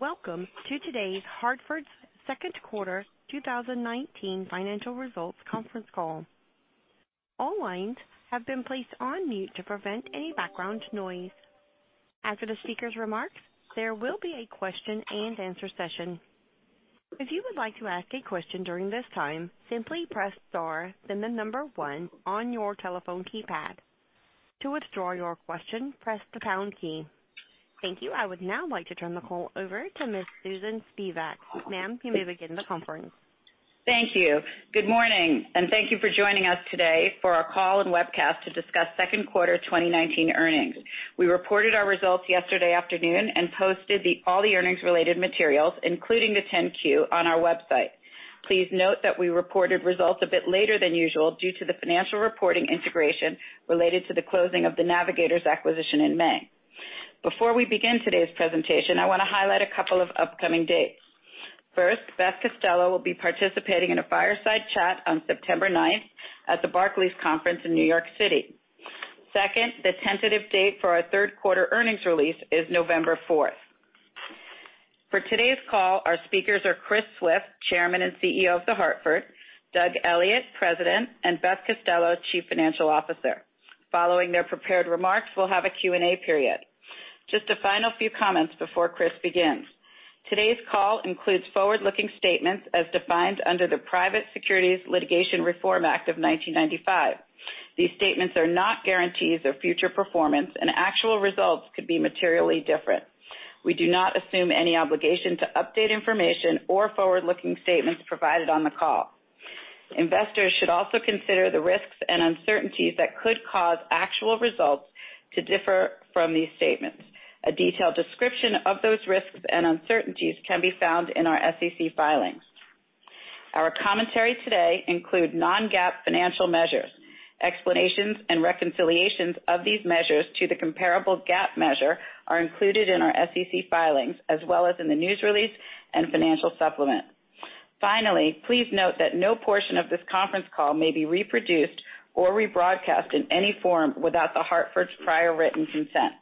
Welcome to today's The Hartford's second quarter 2019 financial results conference call. All lines have been placed on mute to prevent any background noise. After the speaker's remarks, there will be a question and answer session. If you would like to ask a question during this time, simply press star, then the number 1 on your telephone keypad. To withdraw your question, press the pound key. Thank you. I would now like to turn the call over to Ms. Susan Spivak. Ma'am, you may begin the conference. Thank you. Good morning, thank you for joining us today for our call and webcast to discuss second quarter 2019 earnings. We reported our results yesterday afternoon and posted all the earnings related materials, including the 10-Q on our website. Please note that we reported results a bit later than usual due to the financial reporting integration related to the closing of the Navigators acquisition in May. Before we begin today's presentation, I want to highlight a couple of upcoming dates. First, Beth Bombara will be participating in a fireside chat on September ninth at the Barclays conference in New York City. Second, the tentative date for our third quarter earnings release is November fourth. For today's call, our speakers are Chris Swift, Chairman and Chief Executive Officer of The Hartford, Doug Elliot, President, and Beth Bombara, Chief Financial Officer. Just a final few comments before Chris begins. Today's call includes forward-looking statements as defined under the Private Securities Litigation Reform Act of 1995. These statements are not guarantees of future performance, actual results could be materially different. We do not assume any obligation to update information or forward-looking statements provided on the call. Investors should also consider the risks and uncertainties that could cause actual results to differ from these statements. A detailed description of those risks and uncertainties can be found in our SEC filings. Our commentary today include non-GAAP financial measures. Explanations and reconciliations of these measures to the comparable GAAP measure are included in our SEC filings, as well as in the news release and financial supplement. Finally, please note that no portion of this conference call may be reproduced or rebroadcast in any form without The Hartford's prior written consent.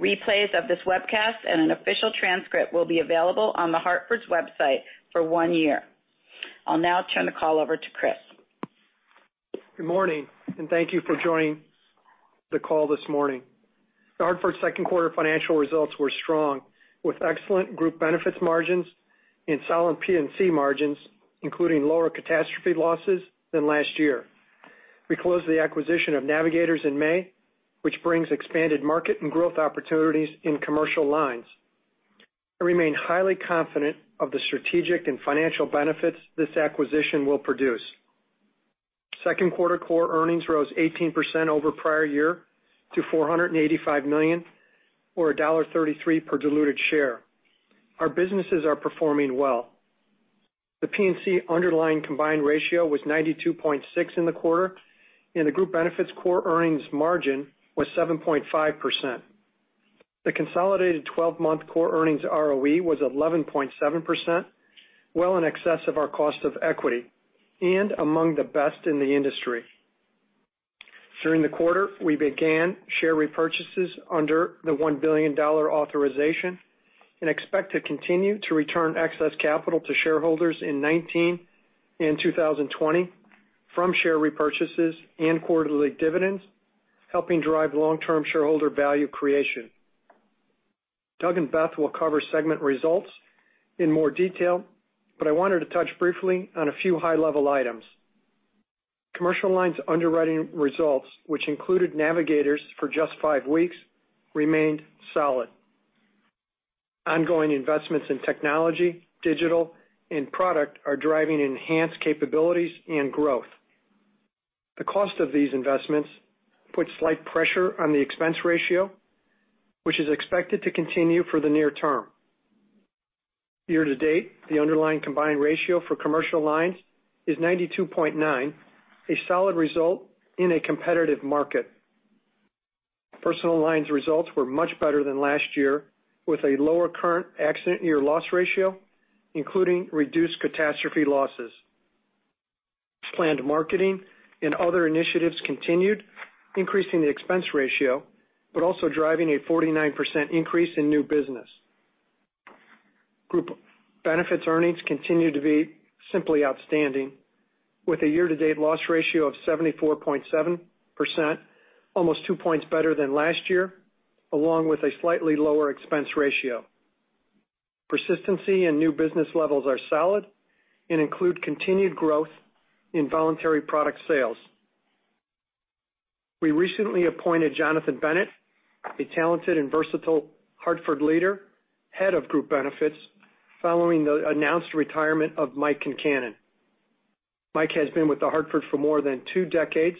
Replays of this webcast and an official transcript will be available on The Hartford's website for one year. I'll now turn the call over to Chris. Good morning. Thank you for joining the call this morning. The Hartford's second quarter financial results were strong, with excellent Group Benefits margins and solid P&C margins, including lower catastrophe losses than last year. We closed the acquisition of Navigators in May, which brings expanded market and growth opportunities in Global Specialty. I remain highly confident of the strategic and financial benefits this acquisition will produce. Second quarter core earnings rose 18% over prior year to $485 million or $1.33 per diluted share. Our businesses are performing well. The P&C underlying combined ratio was 92.6 in the quarter, and the Group Benefits core earnings margin was 7.5%. The consolidated 12-month core earnings ROE was 11.7%, well in excess of our cost of equity and among the best in the industry. During the quarter, we began share repurchases under the $1 billion authorization and expect to continue to return excess capital to shareholders in 2019 and 2020 from share repurchases and quarterly dividends, helping drive long-term shareholder value creation. Doug and Beth will cover segment results in more detail, but I wanted to touch briefly on a few high-level items. Global Specialty underwriting results, which included Navigators for just five weeks, remained solid. Ongoing investments in technology, digital, and product are driving enhanced capabilities and growth. The cost of these investments put slight pressure on the expense ratio, which is expected to continue for the near term. Year to date, the underlying combined ratio for Global Specialty is 92.9, a solid result in a competitive market. Personal lines results were much better than last year with a lower current accident year loss ratio, including reduced catastrophe losses. Planned marketing and other initiatives continued, increasing the expense ratio, but also driving a 49% increase in new business. Group Benefits earnings continue to be simply outstanding with a year-to-date loss ratio of 74.7%, almost two points better than last year, along with a slightly lower expense ratio. Persistency and new business levels are solid and include continued growth in voluntary product sales. We recently appointed Jonathan Bennett, a talented and versatile Hartford leader, Head of Group Benefits, following the announced retirement of Mike Concannon. Mike has been with The Hartford for more than two decades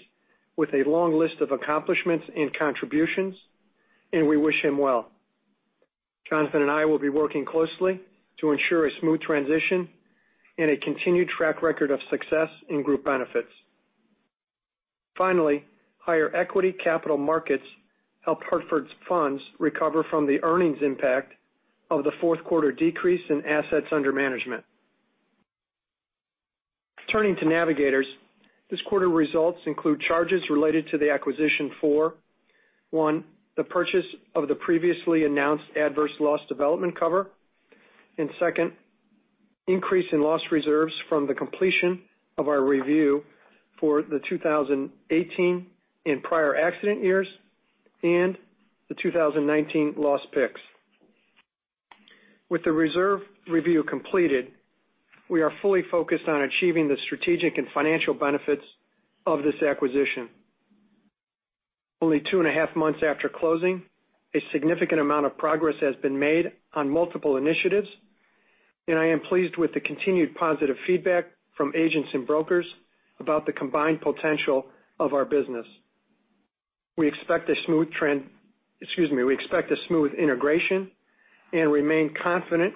with a long list of accomplishments and contributions, and we wish him well. Jonathan and I will be working closely to ensure a smooth transition and a continued track record of success in Group Benefits. Finally, higher equity capital markets helped Hartford Funds recover from the earnings impact of the fourth quarter decrease in assets under management. Turning to Navigators, this quarter results include charges related to the acquisition for, one, the purchase of the previously announced adverse loss development cover, and second, increase in loss reserves from the completion of our review for the 2018 and prior accident years and the 2019 loss picks. With the reserve review completed, we are fully focused on achieving the strategic and financial benefits of this acquisition. Only two and a half months after closing, a significant amount of progress has been made on multiple initiatives, and I am pleased with the continued positive feedback from agents and brokers about the combined potential of our business. We expect a smooth integration and remain confident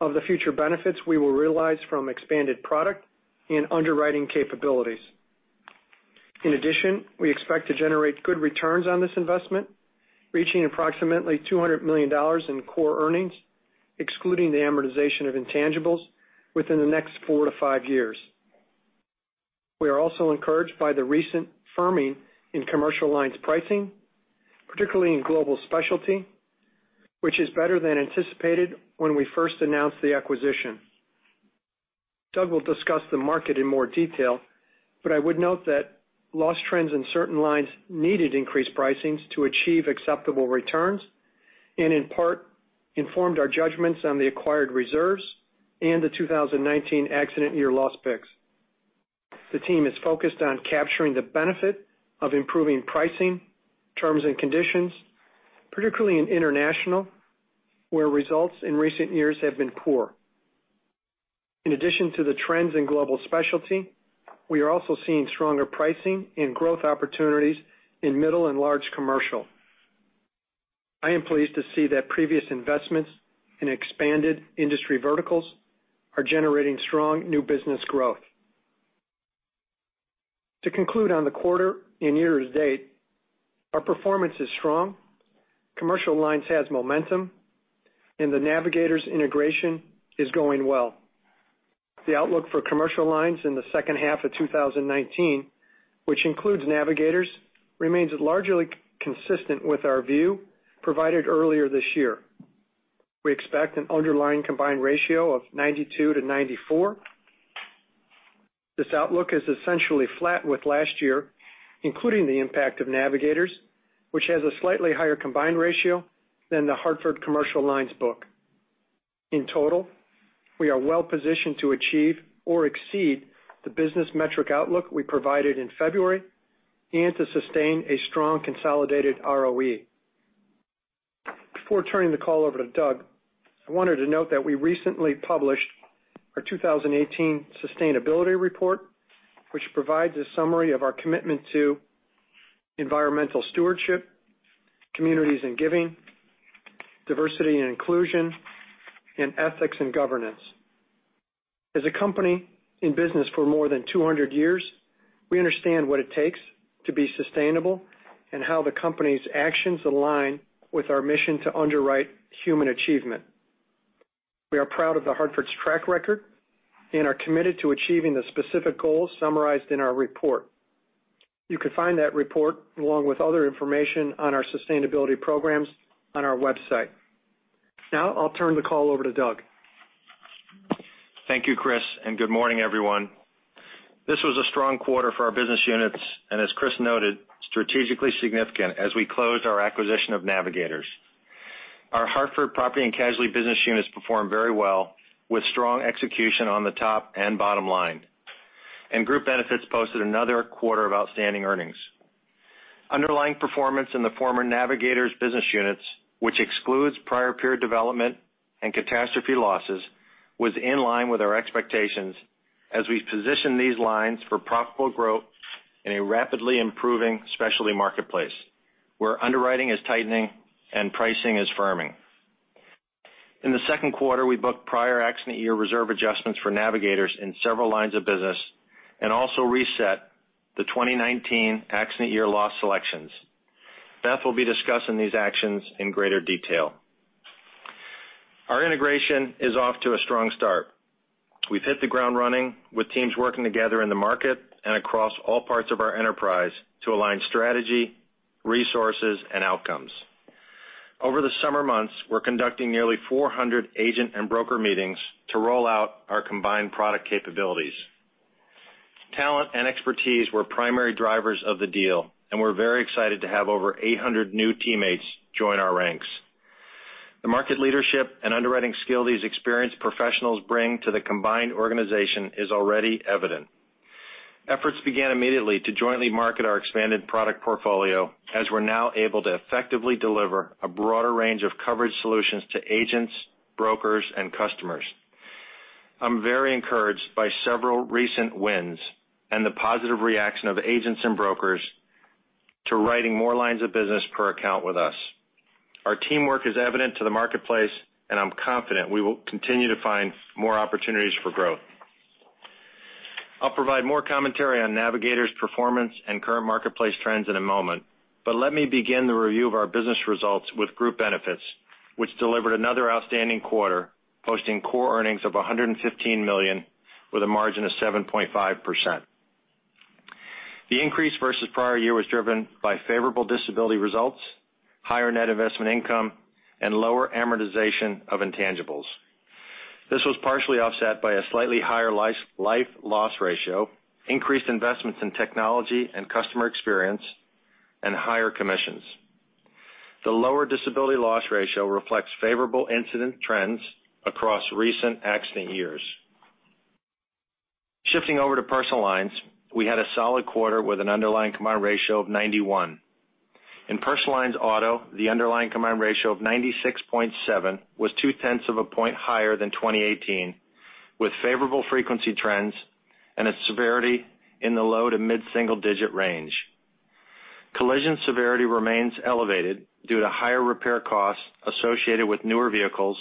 of the future benefits we will realize from expanded product and underwriting capabilities. We expect to generate good returns on this investment, reaching approximately $200 million in core earnings, excluding the amortization of intangibles within the next four to five years. We are also encouraged by the recent firming in commercial lines pricing, particularly in Global Specialty, which is better than anticipated when we first announced the acquisition. Doug will discuss the market in more detail, but I would note that loss trends in certain lines needed increased pricings to achieve acceptable returns, and in part, informed our judgments on the acquired reserves and the 2019 accident year loss picks. The team is focused on capturing the benefit of improving pricing, terms and conditions, particularly in international, where results in recent years have been poor. In addition to the trends in Global Specialty, we are also seeing stronger pricing and growth opportunities in middle and large commercial. I am pleased to see that previous investments in expanded industry verticals are generating strong new business growth. To conclude on the quarter and year-to-date, our performance is strong, commercial lines has momentum, and the Navigators integration is going well. The outlook for commercial lines in the second half of 2019, which includes Navigators, remains largely consistent with our view provided earlier this year. We expect an underlying combined ratio of 92%-94%. This outlook is essentially flat with last year, including the impact of Navigators, which has a slightly higher combined ratio than The Hartford commercial lines book. We are well-positioned to achieve or exceed the business metric outlook we provided in February and to sustain a strong consolidated ROE. Before turning the call over to Doug, I wanted to note that we recently published our 2018 sustainability report, which provides a summary of our commitment to environmental stewardship, communities and giving, diversity and inclusion, and ethics and governance. As a company in business for more than 200 years, we understand what it takes to be sustainable and how the company's actions align with our mission to underwrite human achievement. We are proud of The Hartford's track record and are committed to achieving the specific goals summarized in our report. You can find that report along with other information on our sustainability programs on our website. I'll turn the call over to Doug. Thank you, Chris, and good morning, everyone. This was a strong quarter for our business units, and as Chris noted, strategically significant as we closed our acquisition of Navigators. Our Hartford property and casualty business units performed very well with strong execution on the top and bottom line, and Group Benefits posted another quarter of outstanding earnings. Underlying performance in the former Navigators business units, which excludes prior period development and catastrophe losses, was in line with our expectations as we position these lines for profitable growth in a rapidly improving specialty marketplace, where underwriting is tightening and pricing is firming. In the second quarter, we booked prior accident year reserve adjustments for Navigators in several lines of business and also reset the 2019 accident year loss selections. Beth will be discussing these actions in greater detail. Our integration is off to a strong start. We've hit the ground running with teams working together in the market and across all parts of our enterprise to align strategy, resources, and outcomes. Over the summer months, we're conducting nearly 400 agent and broker meetings to roll out our combined product capabilities. Talent and expertise were primary drivers of the deal, and we're very excited to have over 800 new teammates join our ranks. The market leadership and underwriting skill these experienced professionals bring to the combined organization is already evident. Efforts began immediately to jointly market our expanded product portfolio as we're now able to effectively deliver a broader range of coverage solutions to agents, brokers, and customers. I'm very encouraged by several recent wins and the positive reaction of agents and brokers to writing more lines of business per account with us. Our teamwork is evident to the marketplace. I'm confident we will continue to find more opportunities for growth. I'll provide more commentary on Navigators' performance and current marketplace trends in a moment, but let me begin the review of our business results with Group Benefits which delivered another outstanding quarter, posting core earnings of $115 million with a margin of 7.5%. The increase versus prior year was driven by favorable disability results, higher net investment income, and lower amortization of intangibles. This was partially offset by a slightly higher life loss ratio, increased investments in technology and customer experience, and higher commissions. The lower disability loss ratio reflects favorable incident trends across recent accident years. Shifting over to Personal Lines, we had a solid quarter with an underlying combined ratio of 91%. In Personal Lines Auto, the underlying combined ratio of 96.7 was two-tenths of a point higher than 2018, with favorable frequency trends and a severity in the low to mid-single-digit range. Collision severity remains elevated due to higher repair costs associated with newer vehicles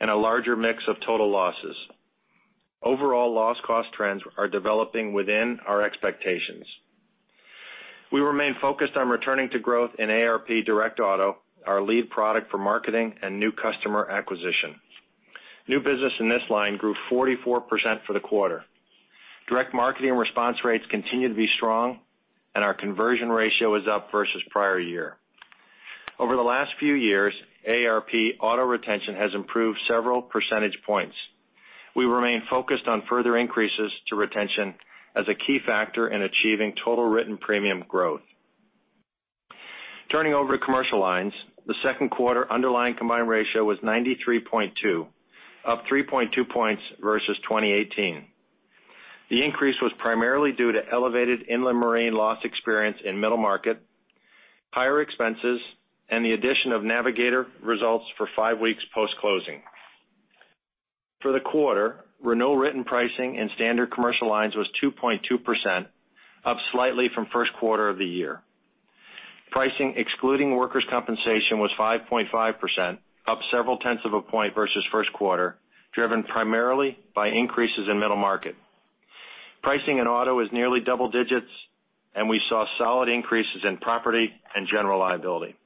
and a larger mix of total losses. Overall loss cost trends are developing within our expectations. We remain focused on returning to growth in AARP Direct Auto, our lead product for marketing and new customer acquisition. New business in this line grew 44% for the quarter. Direct marketing response rates continue to be strong, and our conversion ratio is up versus the prior year. Over the last few years, AARP Auto retention has improved several percentage points. We remain focused on further increases to retention as a key factor in achieving total written premium growth. Turning over to Commercial Lines, the second quarter underlying combined ratio was 93.2, up 3.2 points versus 2018. The increase was primarily due to elevated inland marine loss experience in middle market, higher expenses, and the addition of Navigators results for five weeks post-closing. For the quarter, renewal written pricing in standard Commercial Lines was 2.2%, up slightly from the first quarter of the year. Pricing excluding workers' compensation was 5.5%, up several tenths of a point versus the first quarter, driven primarily by increases in middle market. Pricing in auto is nearly double digits. We saw solid increases in property and general liability.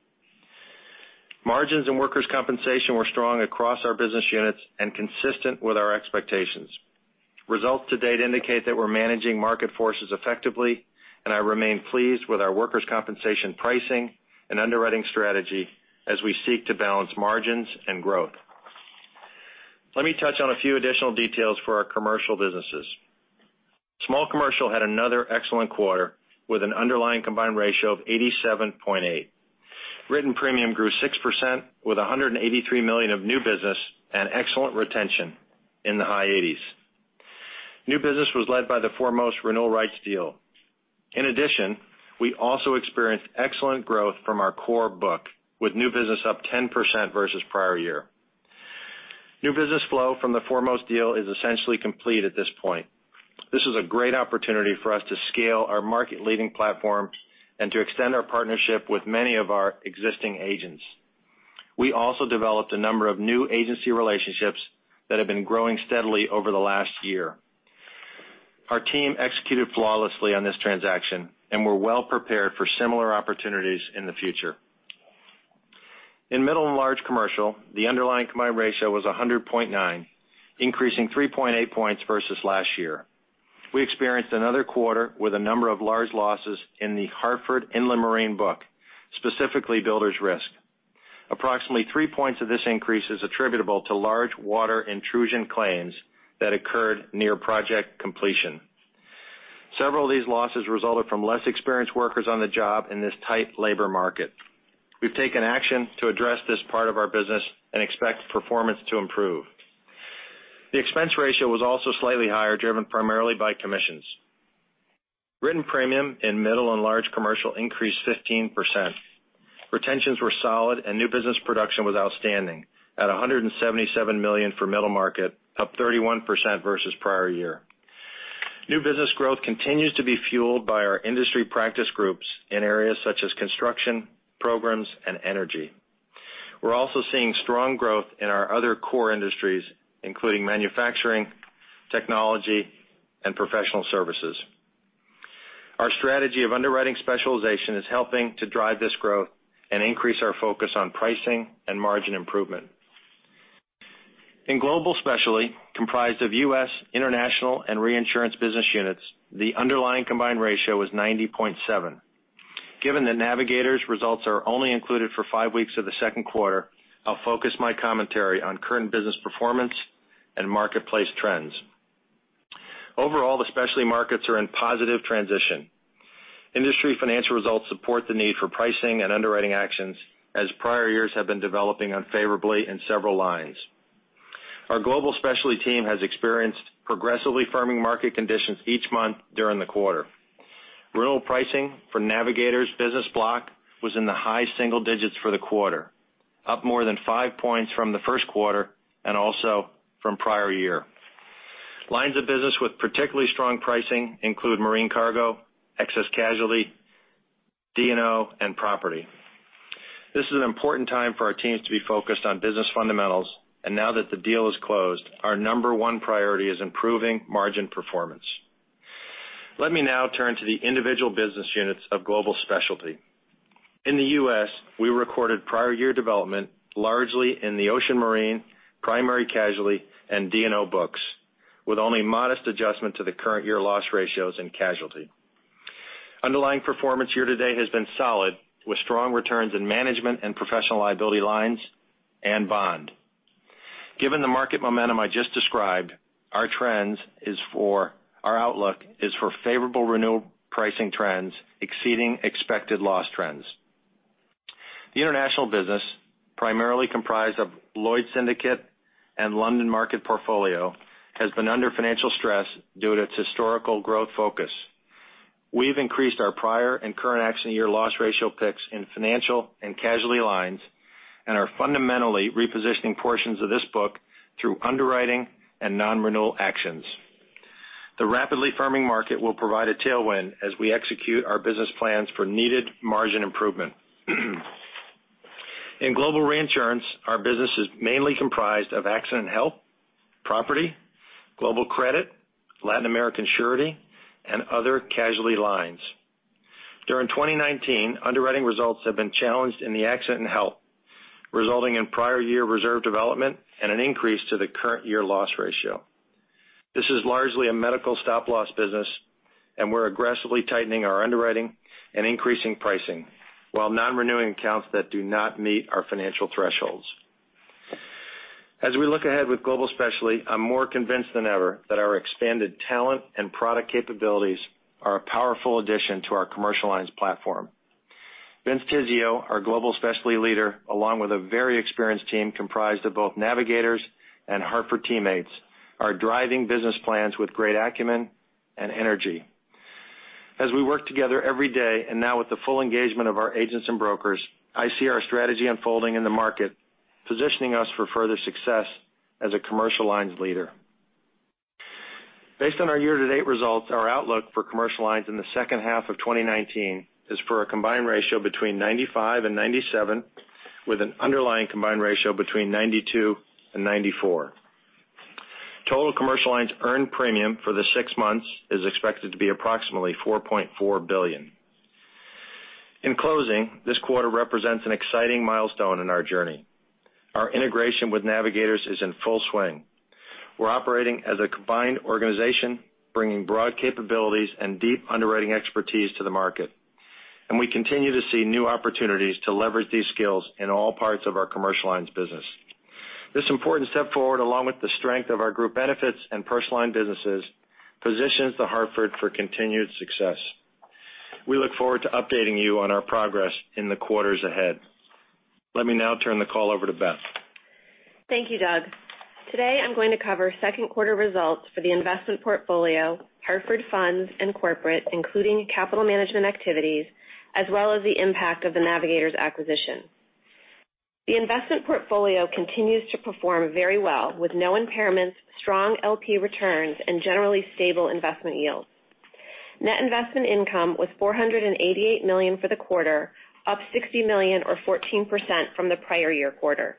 Margins in workers' compensation were strong across our business units and consistent with our expectations. Results to date indicate that we're managing market forces effectively. I remain pleased with our workers' compensation pricing and underwriting strategy as we seek to balance margins and growth. Let me touch on a few additional details for our commercial businesses. Small commercial had another excellent quarter, with an underlying combined ratio of 87.8. Written premium grew 6%, with $183 million of new business and excellent retention in the high 80s. New business was led by the Foremost renewal rights deal. In addition, we also experienced excellent growth from our core book, with new business up 10% versus the prior year. New business flow from the Foremost deal is essentially complete at this point. This was a great opportunity for us to scale our market-leading platform and to extend our partnership with many of our existing agents. We also developed a number of new agency relationships that have been growing steadily over the last year. Our team executed flawlessly on this transaction, and we're well prepared for similar opportunities in the future. In middle and large commercial, the underlying combined ratio was 100.9, increasing 3.8 points versus last year. We experienced another quarter with a number of large losses in The Hartford inland marine book, specifically Builders Risk. Approximately three points of this increase is attributable to large water intrusion claims that occurred near project completion. Several of these losses resulted from less experienced workers on the job in this tight labor market. We've taken action to address this part of our business and expect performance to improve. The expense ratio was also slightly higher, driven primarily by commissions. Written premium in middle and large commercial increased 15%. Retentions were solid and new business production was outstanding at $177 million for middle market, up 31% versus the prior year. New business growth continues to be fueled by our industry practice groups in areas such as construction, programs, and energy. We're also seeing strong growth in our other core industries, including manufacturing, technology, and professional services. Our strategy of underwriting specialization is helping to drive this growth and increase our focus on pricing and margin improvement. In Global Specialty, comprised of U.S., international, and reinsurance business units, the underlying combined ratio was 90.7. Given that Navigators' results are only included for five weeks of the second quarter, I'll focus my commentary on current business performance and marketplace trends. Overall, the specialty markets are in positive transition. Industry financial results support the need for pricing and underwriting actions, as prior years have been developing unfavorably in several lines. Our Global Specialty team has experienced progressively firming market conditions each month during the quarter. Renewal pricing for Navigators' business block was in the high single digits for the quarter, up more than five points from the first quarter and also from the prior year. Lines of business with particularly strong pricing include marine cargo, excess casualty, D&O, and property. This is an important time for our teams to be focused on business fundamentals, and now that the deal is closed, our number one priority is improving margin performance. Let me now turn to the individual business units of Global Specialty. In the U.S., we recorded prior year development largely in the ocean marine, primary casualty, and D&O books, with only modest adjustment to the current year loss ratios in casualty. Underlying performance year-to-date has been solid, with strong returns in management and professional liability lines and bond. Given the market momentum I just described, our outlook is for favorable renewal pricing trends exceeding expected loss trends. The international business, primarily comprised of Lloyd's Syndicate and London Market Portfolio, has been under financial stress due to its historical growth focus. We've increased our prior and current accident year loss ratio picks in financial and casualty lines and are fundamentally repositioning portions of this book through underwriting and non-renewal actions. The rapidly firming market will provide a tailwind as we execute our business plans for needed margin improvement. In global reinsurance, our business is mainly comprised of accident and health, property, global credit, Latin American surety, and other casualty lines. During 2019, underwriting results have been challenged in the accident and health, resulting in prior year reserve development and an increase to the current year loss ratio. This is largely a medical stop loss business, and we're aggressively tightening our underwriting and increasing pricing, while non-renewing accounts that do not meet our financial thresholds. As we look ahead with Global Specialty, I'm more convinced than ever that our expanded talent and product capabilities are a powerful addition to our commercial lines platform. Vince Tizzio, our Global Specialty leader, along with a very experienced team comprised of both Navigators and Hartford teammates, are driving business plans with great acumen and energy. As we work together every day, now with the full engagement of our agents and brokers, I see our strategy unfolding in the market, positioning us for further success as a commercial lines leader. Based on our year-to-date results, our outlook for commercial lines in the second half of 2019 is for a combined ratio between 95 and 97, with an underlying combined ratio between 92 and 94. Total commercial lines earned premium for the six months is expected to be approximately $4.4 billion. In closing, this quarter represents an exciting milestone in our journey. Our integration with Navigators is in full swing. We're operating as a combined organization, bringing broad capabilities and deep underwriting expertise to the market, and we continue to see new opportunities to leverage these skills in all parts of our commercial lines business. This important step forward, along with the strength of our group benefits and personal line businesses, positions The Hartford for continued success. We look forward to updating you on our progress in the quarters ahead. Let me now turn the call over to Beth. Thank you, Doug. Today, I'm going to cover second quarter results for the investment portfolio, Hartford Funds, corporate, including capital management activities, as well as the impact of the Navigators acquisition. The investment portfolio continues to perform very well, with no impairments, strong LP returns, generally stable investment yields. Net investment income was $488 million for the quarter, up $60 million or 14% from the prior year quarter.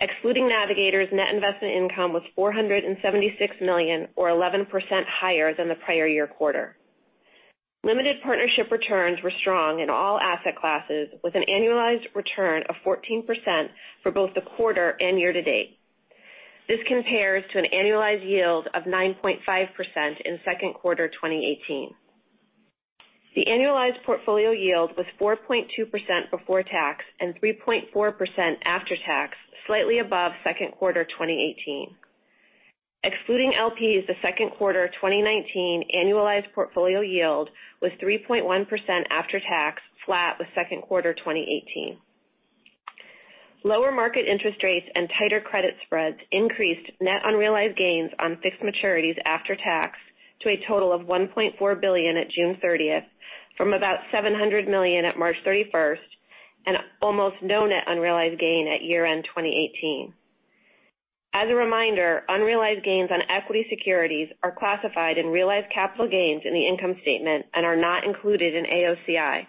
Excluding Navigators, net investment income was $476 million, or 11% higher than the prior year quarter. Limited partnership returns were strong in all asset classes, with an annualized return of 14% for both the quarter and year-to-date. This compares to an annualized yield of 9.5% in second quarter 2018. The annualized portfolio yield was 4.2% before tax and 3.4% after tax, slightly above second quarter 2018. Excluding LPs, the second quarter 2019 annualized portfolio yield was 3.1% after tax, flat with second quarter 2018. Lower market interest rates and tighter credit spreads increased net unrealized gains on fixed maturities after tax to a total of $1.4 billion at June 30th, from about $700 million at March 31st, and almost no net unrealized gain at year-end 2018. As a reminder, unrealized gains on equity securities are classified in realized capital gains in the income statement and are not included in AOCI.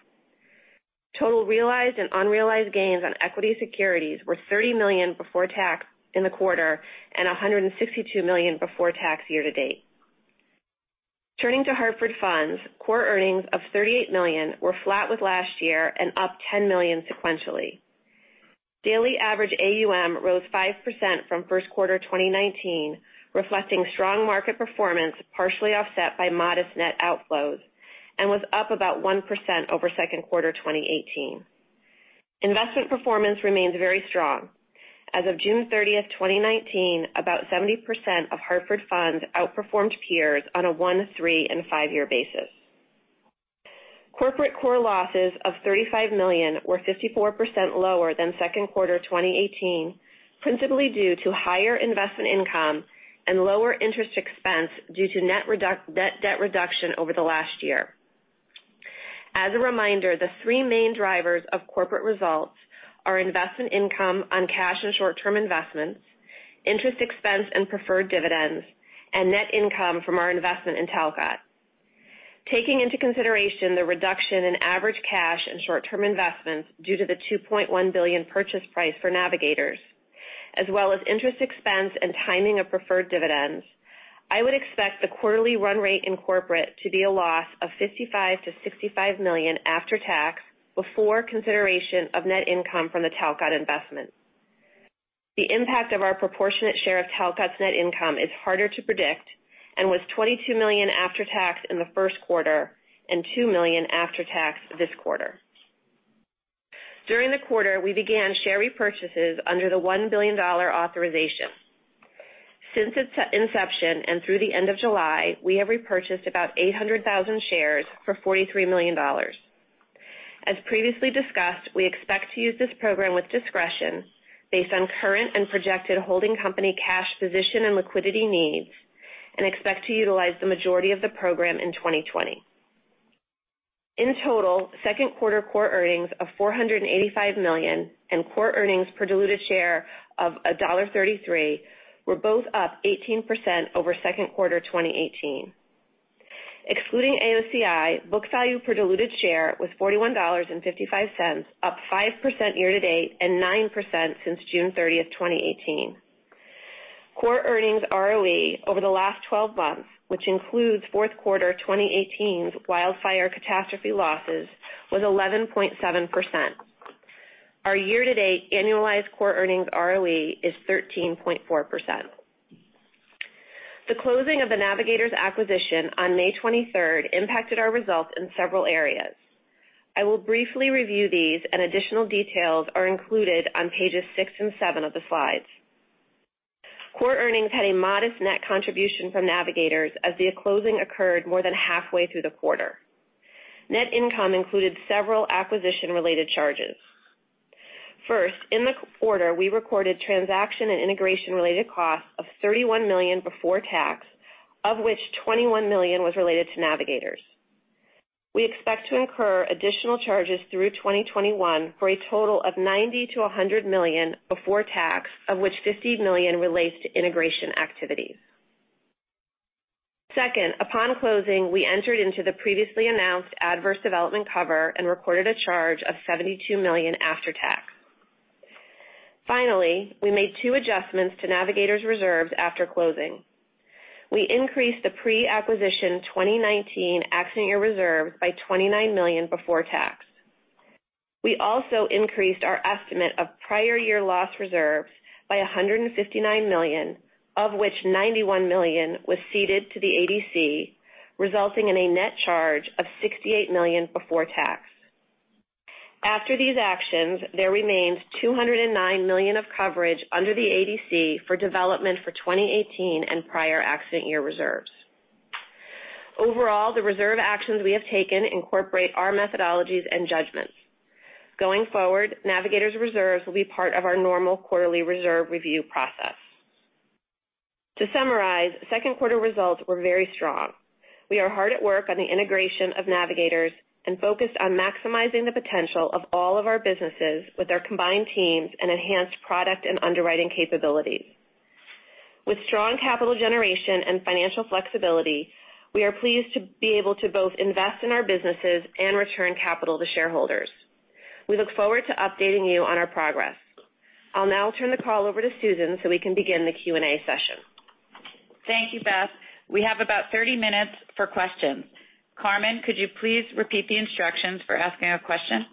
Total realized and unrealized gains on equity securities were $30 million before tax in the quarter and $162 million before tax year-to-date. Turning to Hartford Funds, core earnings of $38 million were flat with last year and up $10 million sequentially. Daily average AUM rose 5% from first quarter 2019, reflecting strong market performance, partially offset by modest net outflows, and was up about 1% over second quarter 2018. Investment performance remains very strong. As of June 30th, 2019, about 70% of Hartford Funds outperformed peers on a one, three, and five-year basis. Corporate core losses of $35 million were 54% lower than second quarter 2018, principally due to higher investment income and lower interest expense due to net debt reduction over the last year. As a reminder, the three main drivers of corporate results are investment income on cash and short-term investments, interest expense and preferred dividends, and net income from our investment in Talcott. Taking into consideration the reduction in average cash and short-term investments due to the $2.1 billion purchase price for Navigators, as well as interest expense and timing of preferred dividends, I would expect the quarterly run rate in corporate to be a loss of $55 million to $65 million after tax, before consideration of net income from the Talcott investment. The impact of our proportionate share of Talcott's net income is harder to predict and was $22 million after tax in the first quarter and $2 million after tax this quarter. During the quarter, we began share repurchases under the $1 billion authorization. Since its inception and through the end of July, we have repurchased about 800,000 shares for $43 million. As previously discussed, we expect to use this program with discretion based on current and projected holding company cash position and liquidity needs, and expect to utilize the majority of the program in 2020. In total, second quarter core earnings of $485 million and core earnings per diluted share of $1.33 were both up 18% over second quarter 2018. Excluding AOCI, book value per diluted share was $41.55, up 5% year to date and 9% since June 30th, 2018. Core earnings ROE over the last 12 months, which includes fourth quarter 2018's wildfire catastrophe losses, was 11.7%. Our year-to-date annualized core earnings ROE is 13.4%. The closing of the Navigators acquisition on May 23rd impacted our results in several areas. I will briefly review these, and additional details are included on pages six and seven of the slides. Core earnings had a modest net contribution from Navigators as the closing occurred more than halfway through the quarter. Net income included several acquisition-related charges. First, in the quarter, we recorded transaction and integration-related costs of $31 million before tax, of which $21 million was related to Navigators. We expect to incur additional charges through 2021 for a total of $90 million to $100 million before tax, of which $50 million relates to integration activities. Second, upon closing, we entered into the previously announced adverse development cover and recorded a charge of $72 million after tax. Finally, we made two adjustments to Navigators reserves after closing. We increased the pre-acquisition 2019 accident year reserves by $29 million before tax. We also increased our estimate of prior year loss reserves by $159 million, of which $91 million was ceded to the ADC, resulting in a net charge of $68 million before tax. After these actions, there remains $209 million of coverage under the ADC for development for 2018 and prior accident year reserves. Overall, the reserve actions we have taken incorporate our methodologies and judgments. Going forward, Navigators reserves will be part of our normal quarterly reserve review process. To summarize, second quarter results were very strong. We are hard at work on the integration of Navigators and focused on maximizing the potential of all of our businesses with our combined teams and enhanced product and underwriting capabilities. With strong capital generation and financial flexibility, we are pleased to be able to both invest in our businesses and return capital to shareholders. We look forward to updating you on our progress. I'll now turn the call over to Susan so we can begin the Q&A session. Thank you, Beth. We have about 30 minutes for questions. Carmen, could you please repeat the instructions for asking a question?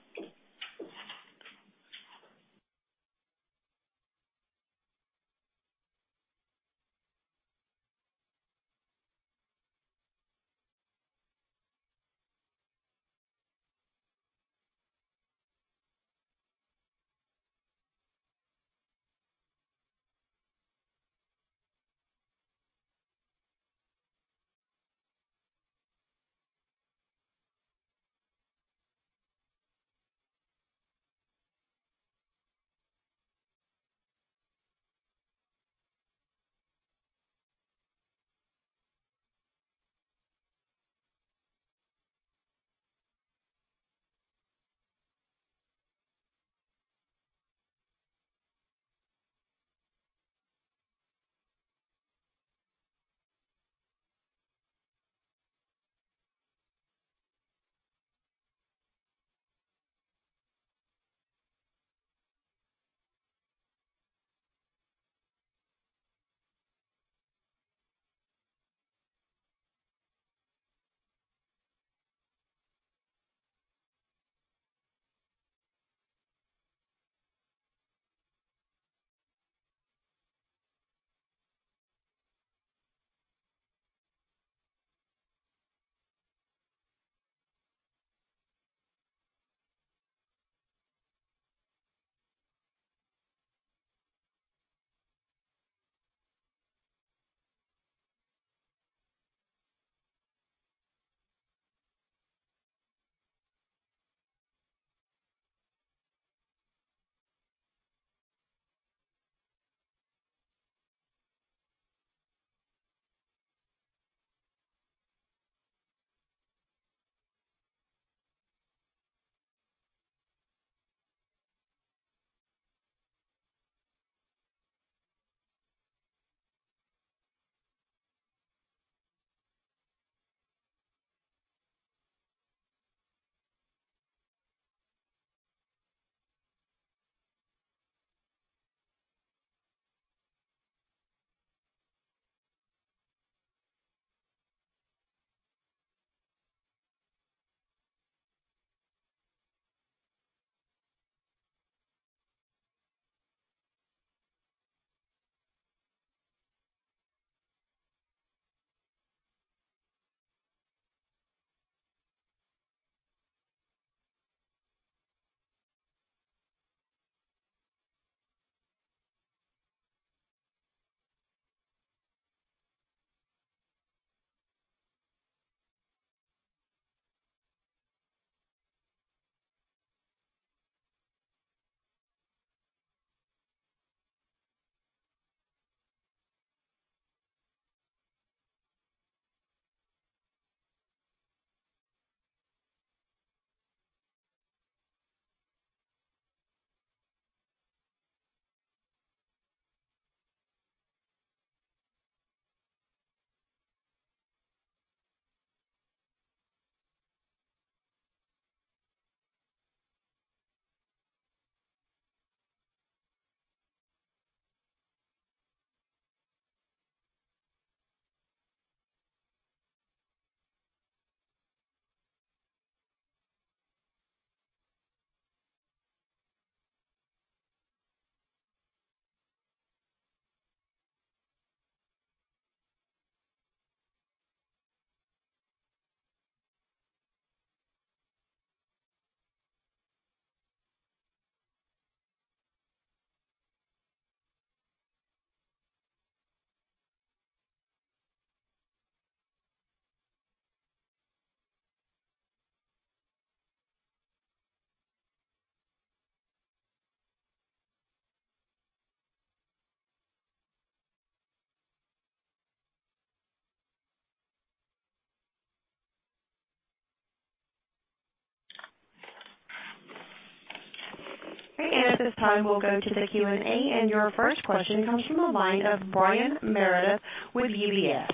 At this time, we'll go to the Q&A, and your first question comes from the line of Brian Meredith with UBS.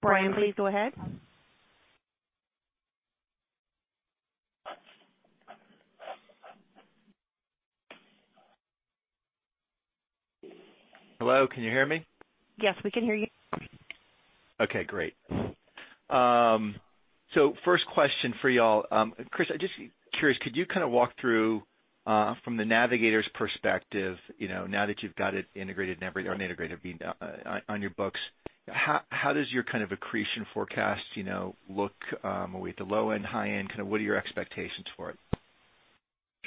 Brian, please go ahead. Hello, can you hear me? Yes, we can hear you. First question for you all. Chris, I'm just curious, could you kind of walk through from the Navigators perspective, now that you've got it integrated on your books, how does your kind of accretion forecast look? Are we at the low end, high end? What are your expectations for it?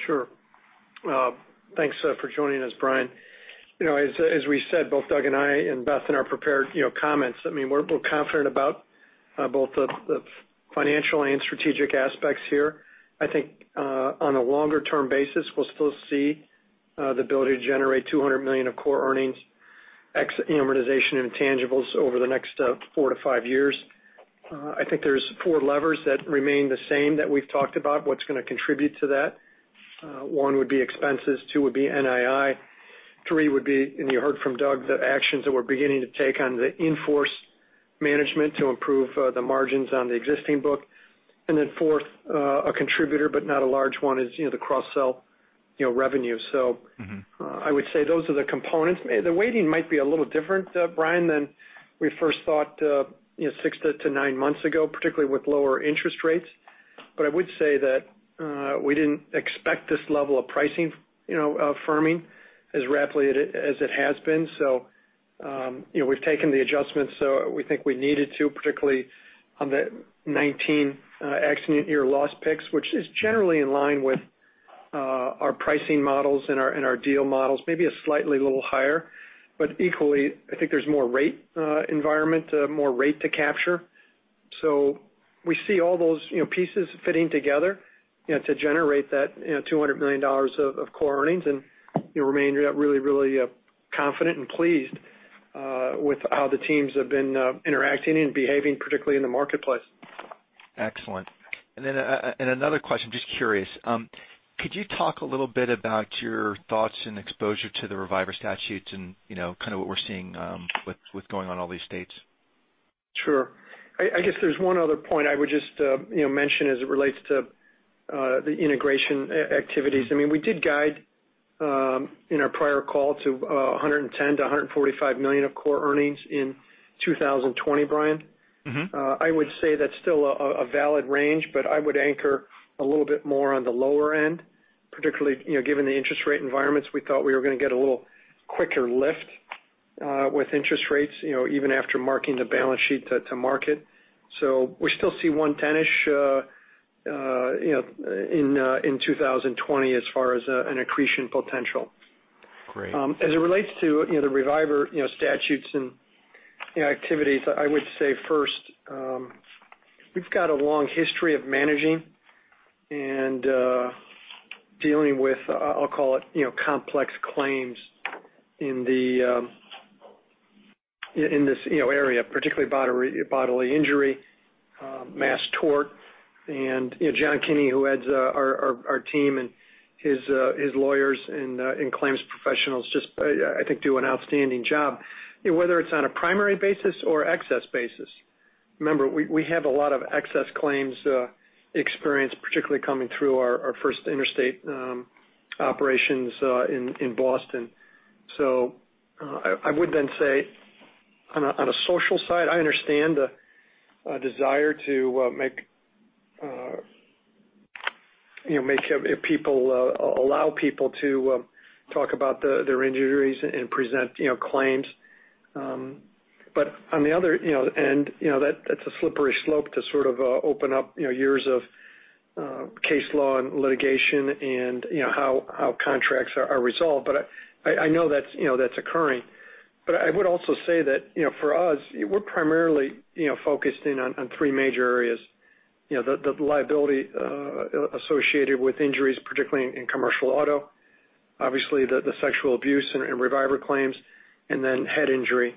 Sure. Thanks for joining us, Brian. As we said, both Doug and I, and Beth in our prepared comments, we're confident about both the financial and strategic aspects here. I think on a longer term basis, we'll still see the ability to generate $200 million of core earnings, ex amortization intangibles over the next four to five years. I think there's four levers that remain the same that we've talked about, what's going to contribute to that. One would be expenses, two would be NII, three would be, and you heard from Doug, the actions that we're beginning to take on the in-force management to improve the margins on the existing book. Fourth, a contributor, but not a large one, is the cross-sell revenue. I would say those are the components. The weighting might be a little different, Brian Meredith, than we first thought six to nine months ago, particularly with lower interest rates. I would say that we didn't expect this level of pricing firming as rapidly as it has been. We've taken the adjustments we think we needed to, particularly on the 2019 accident year loss picks, which is generally in line with our pricing models and our deal models, maybe a slightly little higher, but equally, I think there's more rate environment, more rate to capture. We see all those pieces fitting together to generate that $200 million of core earnings and remain really confident and pleased with how the teams have been interacting and behaving, particularly in the marketplace. Excellent. Another question, just curious. Could you talk a little bit about your thoughts and exposure to the reviver statutes and kind of what we're seeing with going on all these states? Sure. I guess there's one other point I would just mention as it relates to the integration activities. We did guide in our prior call to $110 million to $145 million of core earnings in 2020, Brian Meredith. I would say that's still a valid range, I would anchor a little bit more on the lower end, particularly given the interest rate environments. We thought we were going to get a little quicker lift with interest rates even after marking the balance sheet to market. We still see $110-ish in 2020 as far as an accretion potential. Great. As it relates to the reviver statutes and activities, I would say first, we've got a long history of managing and dealing with, I'll call it, complex claims in this area, particularly bodily injury, mass tort. John Kinney, who heads our team and his lawyers and claims professionals just, I think, do an outstanding job. Whether it's on a primary basis or excess basis, remember, we have a lot of excess claims experience, particularly coming through our First State operations in Boston. I would then say on a social side, I understand the desire to allow people to talk about their injuries and present claims. On the other end, that's a slippery slope to sort of open up years of case law and litigation and how contracts are resolved. I know that's occurring. I would also say that for us, we're primarily focused in on three major areas. The liability associated with injuries, particularly in commercial auto, obviously the sexual abuse and reviver claims, and then head injury.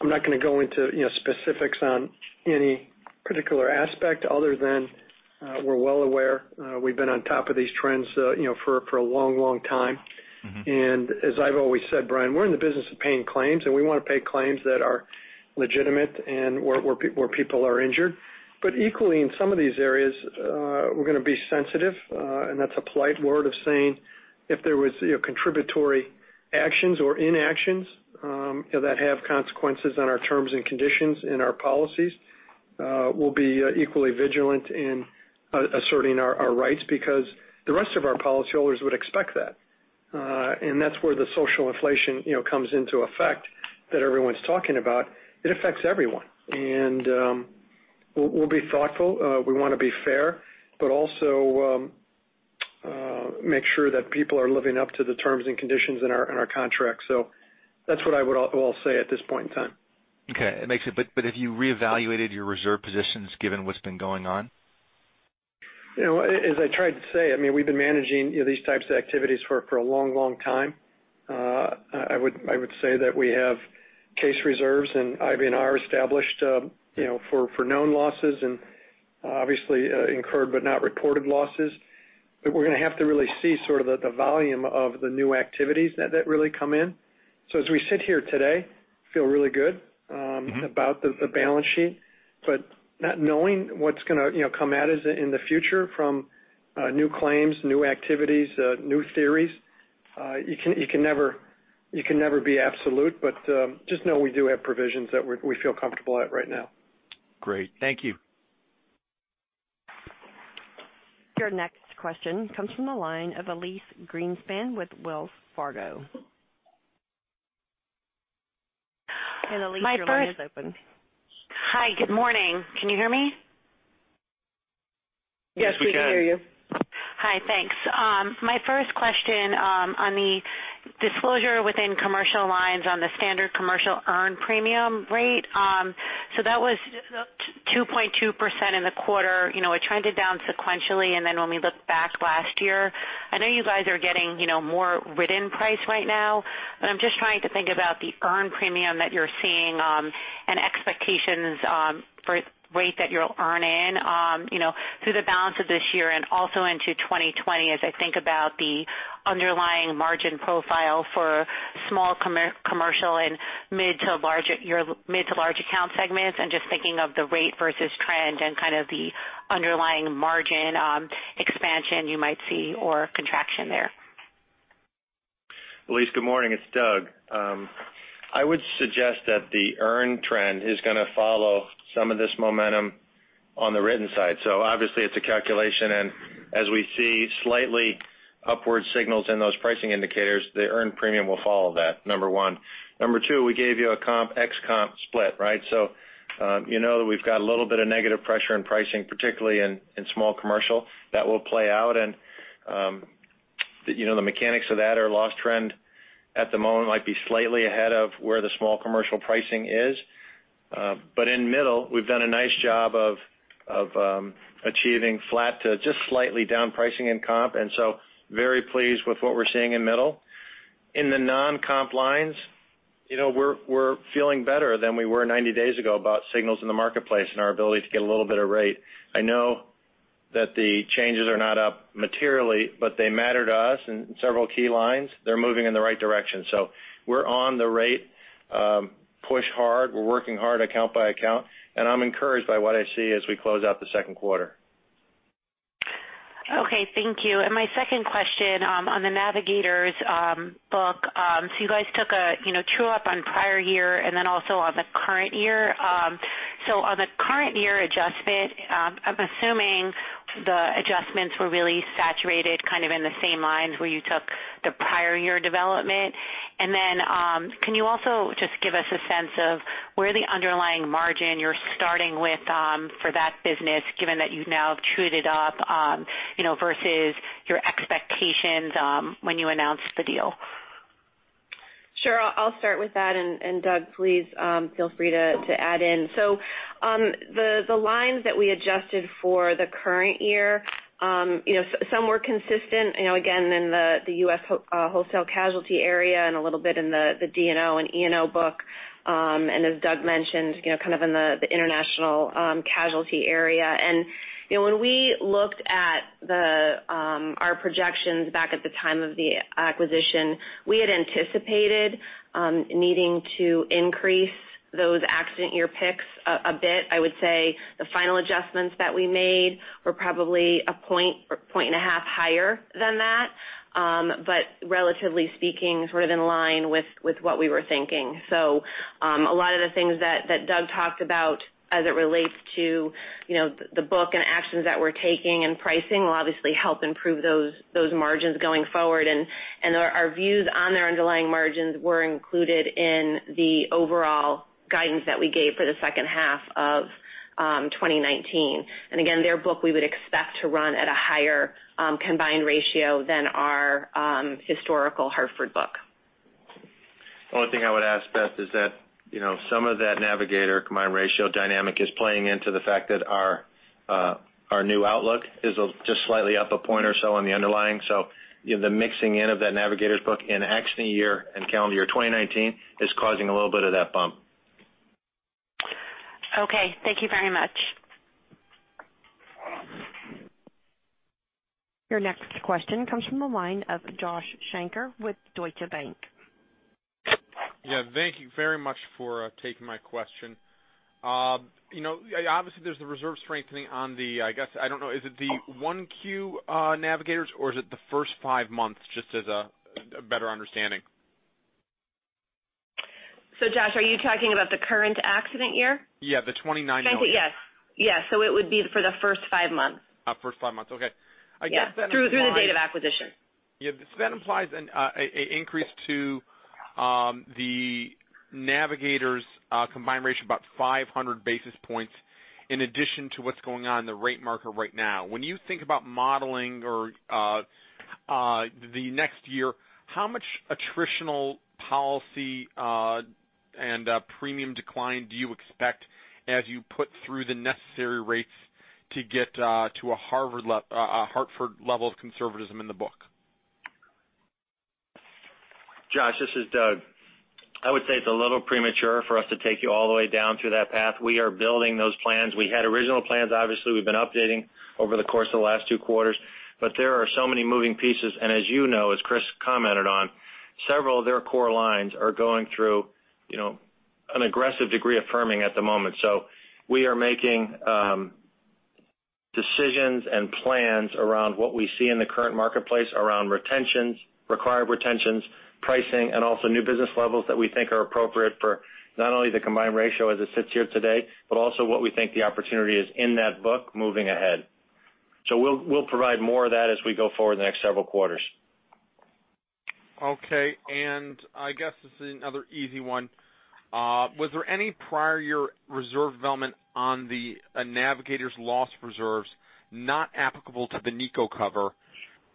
I'm not going to go into specifics on any particular aspect other than we're well aware. We've been on top of these trends for a long time. As I've always said, Brian, we're in the business of paying claims, and we want to pay claims that are legitimate and where people are injured. Equally, in some of these areas, we're going to be sensitive, and that's a polite word of saying if there was contributory actions or inactions that have consequences on our terms and conditions in our policies, we'll be equally vigilant in asserting our rights because the rest of our policyholders would expect that. That's where the social inflation comes into effect that everyone's talking about. It affects everyone. We'll be thoughtful. We want to be fair, but also make sure that people are living up to the terms and conditions in our contracts. That's what I would all say at this point in time. Okay. Have you reevaluated your reserve positions given what's been going on? As I tried to say, we've been managing these types of activities for a long time. I would say that we have case reserves and IBNR established for known losses and obviously incurred but not reported losses. We're going to have to really see sort of the volume of the new activities that really come in. As we sit here today, feel really good about the balance sheet, but not knowing what's going to come at us in the future from new claims, new activities, new theories. You can never be absolute, but just know we do have provisions that we feel comfortable at right now. Great. Thank you. Your next question comes from the line of Elyse Greenspan with Wells Fargo. Elyse, your line is open. Hi. Good morning. Can you hear me? Yes, we can hear you. Yes, we can. Hi. Thanks. My first question on the disclosure within commercial lines on the standard commercial earned premium rate. That was 2.2% in the quarter, a trend to down sequentially, when we look back last year. I know you guys are getting more written price right now, I'm just trying to think about the earned premium that you're seeing and expectations for rate that you're earning through the balance of this year and also into 2020 as I think about the underlying margin profile for Small Commercial and your Mid to Large Account Segments, just thinking of the rate versus trend and kind of the underlying margin expansion you might see or contraction there. Elyse, good morning. It's Doug. I would suggest that the earn trend is going to follow some of this momentum on the written side. Obviously it's a calculation, as we see slightly upward signals in those pricing indicators, the earned premium will follow that, number one. Number two, we gave you a comp, ex comp split, right? You know that we've got a little bit of negative pressure in pricing, particularly in Small Commercial. That will play out, the mechanics of that or loss trend at the moment might be slightly ahead of where the Small Commercial pricing is. In Middle, we've done a nice job of achieving flat to just slightly down pricing in comp, very pleased with what we're seeing in Middle. In the non-comp lines, we're feeling better than we were 90 days ago about signals in the marketplace and our ability to get a little bit of rate. I know that the changes are not up materially, but they matter to us in several key lines. They're moving in the right direction. We're on the rate, push hard. We're working hard account by account, and I'm encouraged by what I see as we close out the second quarter. Okay. Thank you. My second question on the Navigators book. You guys took a true-up on prior year and also on the current year. On the current year adjustment, I'm assuming the adjustments were really saturated, kind of in the same lines where you took the prior year development. Can you also just give us a sense of where the underlying margin you're starting with for that business, given that you've now trued it up versus your expectations when you announced the deal? Sure. I'll start with that, and Doug, please feel free to add in. The lines that we adjusted for the current year, some were consistent, again, in the U.S. wholesale casualty area and a little bit in the D&O and E&O book. As Doug mentioned, kind of in the international casualty area. When we looked at our projections back at the time of the acquisition, we had anticipated needing to increase those accident year picks a bit. I would say the final adjustments that we made were probably a point or point and a half higher than that. Relatively speaking, sort of in line with what we were thinking. A lot of the things that Doug talked about as it relates to the book and actions that we're taking and pricing will obviously help improve those margins going forward. Our views on their underlying margins were included in the overall guidance that we gave for the second half of 2019. Again, their book we would expect to run at a higher combined ratio than our historical Hartford book. The only thing I would add, Beth, is that some of that Navigators combined ratio dynamic is playing into the fact that our new outlook is just slightly up one point or so on the underlying. So the mixing in of that Navigators book in accident year and calendar year 2019 is causing a little bit of that bump. Okay. Thank you very much. Your next question comes from the line of Josh Shanker with Deutsche Bank. Yeah. Thank you very much for taking my question. Obviously, there's the reserve strengthening on the, I guess, I don't know, is it the 1Q Navigators or is it the first five months? Just as a better understanding. Josh, are you talking about the current accident year? Yeah, the 2019 year. Yes. It would be for the first five months. First five months, okay. I guess that implies. Yes. Through the date of acquisition. That implies an increase to the Navigators' combined ratio about 500 basis points in addition to what's going on in the rate market right now. When you think about modeling or the next year, how much attritional policy and premium decline do you expect as you put through the necessary rates to get to a Hartford level of conservatism in the book? Josh, this is Doug. I would say it's a little premature for us to take you all the way down through that path. We are building those plans. We had original plans, obviously, we've been updating over the course of the last two quarters. There are so many moving pieces, and as you know, as Chris commented on, several of their core lines are going through an aggressive degree of firming at the moment. We are making decisions and plans around what we see in the current marketplace around retentions, required retentions, pricing, and also new business levels that we think are appropriate for not only the combined ratio as it sits here today, but also what we think the opportunity is in that book moving ahead. We'll provide more of that as we go forward in the next several quarters. Okay. I guess this is another easy one. Was there any prior year reserve development on the Navigators' loss reserves not applicable to the NICO cover?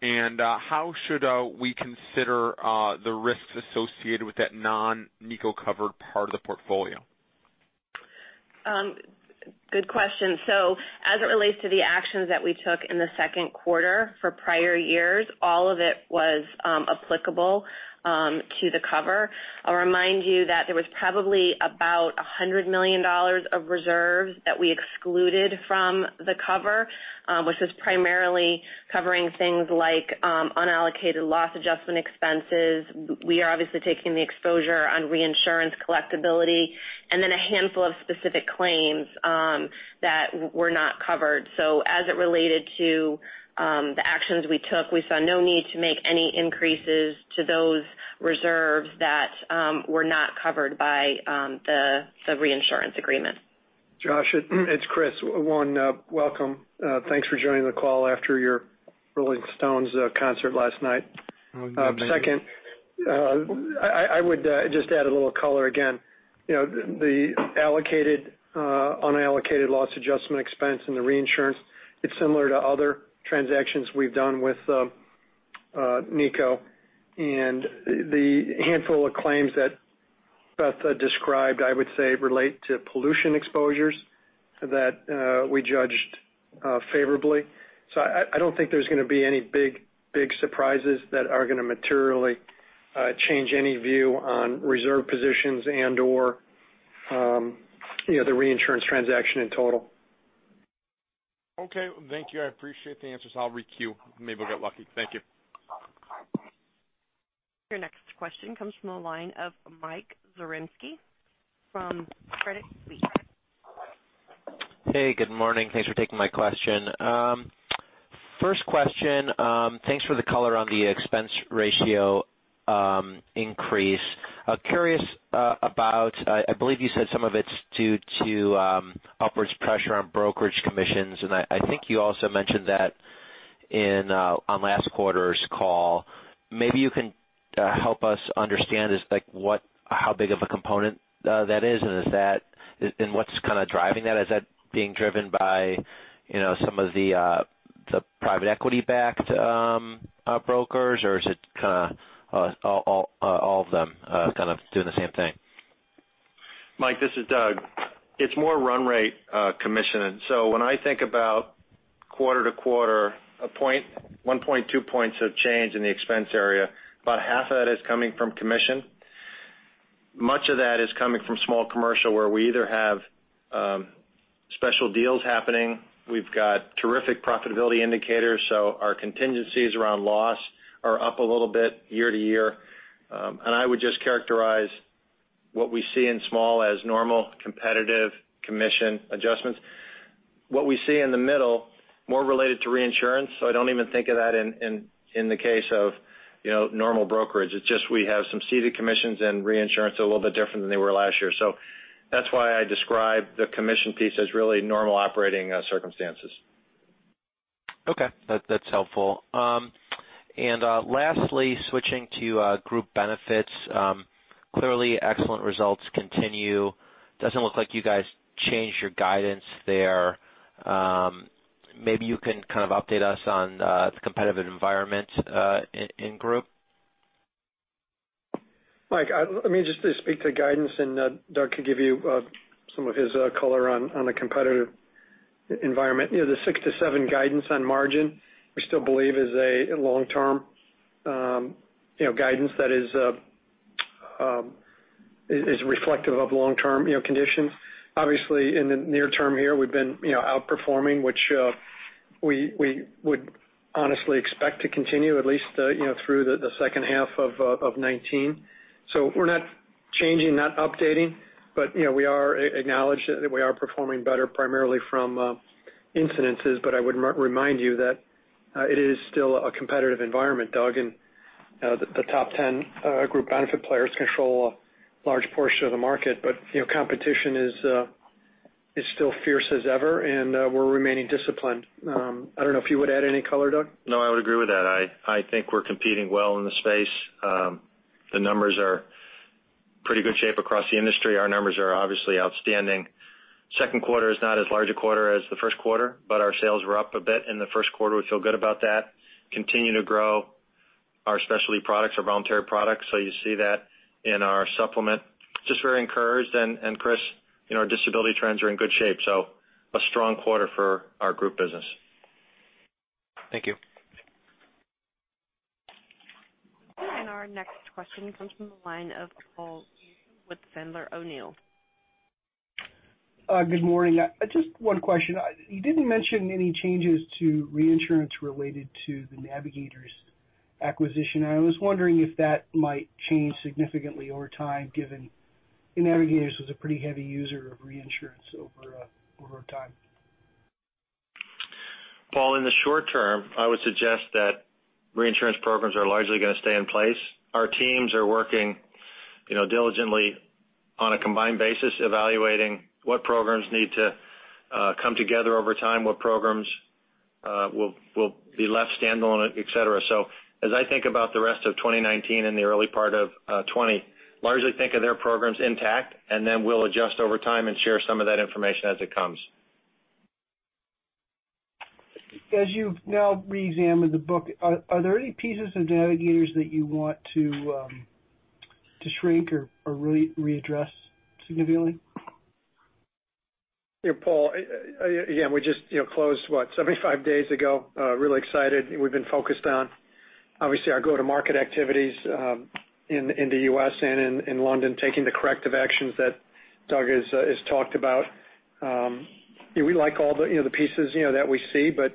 How should we consider the risks associated with that non-NICO covered part of the portfolio? Good question. As it relates to the actions that we took in the second quarter for prior years, all of it was applicable to the cover. I'll remind you that there was probably about $100 million of reserves that we excluded from the cover, which was primarily covering things like unallocated loss adjustment expenses. We are obviously taking the exposure on reinsurance collectibility, and then a handful of specific claims that were not covered. As it related to the actions we took, we saw no need to make any increases to those reserves that were not covered by the reinsurance agreement. Josh, it's Chris. One, welcome. Thanks for joining the call after your Rolling Stones concert last night. Second, I would just add a little color again. The unallocated loss adjustment expense and the reinsurance, it's similar to other transactions we've done with NICO. The handful of claims that Beth described, I would say relate to pollution exposures that we judged favorably. I don't think there's going to be any big surprises that are going to materially change any view on reserve positions and/or the reinsurance transaction in total. Okay. Thank you. I appreciate the answers. I'll re-queue. Maybe I'll get lucky. Thank you. Your next question comes from the line of Mike Zaremski from Credit Suisse. Hey, good morning. Thanks for taking my question. First question. Thanks for the color on the expense ratio increase. Curious about, I believe you said some of it's due to upwards pressure on brokerage commissions, and I think you also mentioned that on last quarter's call. Maybe you can help us understand How big of a component that is, and what's kind of driving that? Is that being driven by some of the private equity-backed brokers, or is it kind of all of them kind of doing the same thing? Mike, this is Doug. It's more run rate commission. When I think about quarter-to-quarter, one point, two points of change in the expense area, about half of that is coming from commission. Much of that is coming from small commercial, where we either have special deals happening, we've got terrific profitability indicators, so our contingencies around loss are up a little bit year-to-year. I would just characterize what we see in small as normal competitive commission adjustments. What we see in the middle, more related to reinsurance. I don't even think of that in the case of normal brokerage. It's just we have some ceded commissions and reinsurance a little bit different than they were last year. That's why I describe the commission piece as really normal operating circumstances. Okay. That's helpful. Lastly, switching to Group Benefits. Clearly excellent results continue. Doesn't look like you guys changed your guidance there. Maybe you can kind of update us on the competitive environment in Group. Mike, let me just speak to guidance, and Doug could give you some of his color on the competitive environment. The 6-7 guidance on margin, we still believe is a long-term guidance that is reflective of long-term conditions. Obviously, in the near term here, we've been outperforming, which we would honestly expect to continue at least through the second half of 2019. We're not changing, not updating, but we are acknowledging that we are performing better primarily from incidences. I would remind you that it is still a competitive environment, Doug, and the top 10 Group Benefits players control a large portion of the market. Competition is still fierce as ever, and we're remaining disciplined. I don't know if you would add any color, Doug. No, I would agree with that. I think we're competing well in the space. The numbers are pretty good shape across the industry. Our numbers are obviously outstanding. Second quarter is not as large a quarter as the first quarter, but our sales were up a bit in the first quarter. We feel good about that. Continue to grow our specialty products, our voluntary products. You see that in our supplement. Just very encouraged, and Chris, our disability trends are in good shape. A strong quarter for our group business. Thank you. Our next question comes from the line of Paul Newsome with Sandler O'Neill. Good morning. Just one question. You didn't mention any changes to reinsurance related to the Navigators acquisition. I was wondering if that might change significantly over time, given Navigators was a pretty heavy user of reinsurance over time. Paul, in the short term, I would suggest that reinsurance programs are largely going to stay in place. Our teams are working diligently on a combined basis, evaluating what programs need to come together over time, what programs will be left standalone, et cetera. As I think about the rest of 2019 and the early part of 2020, largely think of their programs intact, and then we'll adjust over time and share some of that information as it comes. As you've now re-examined the book, are there any pieces of Navigators that you want to shrink or readdress significantly? Paul, again, we just closed, what, 75 days ago. Really excited. We've been focused on, obviously, our go-to-market activities in the U.S. and in London, taking the corrective actions that Doug has talked about. We like all the pieces that we see, we're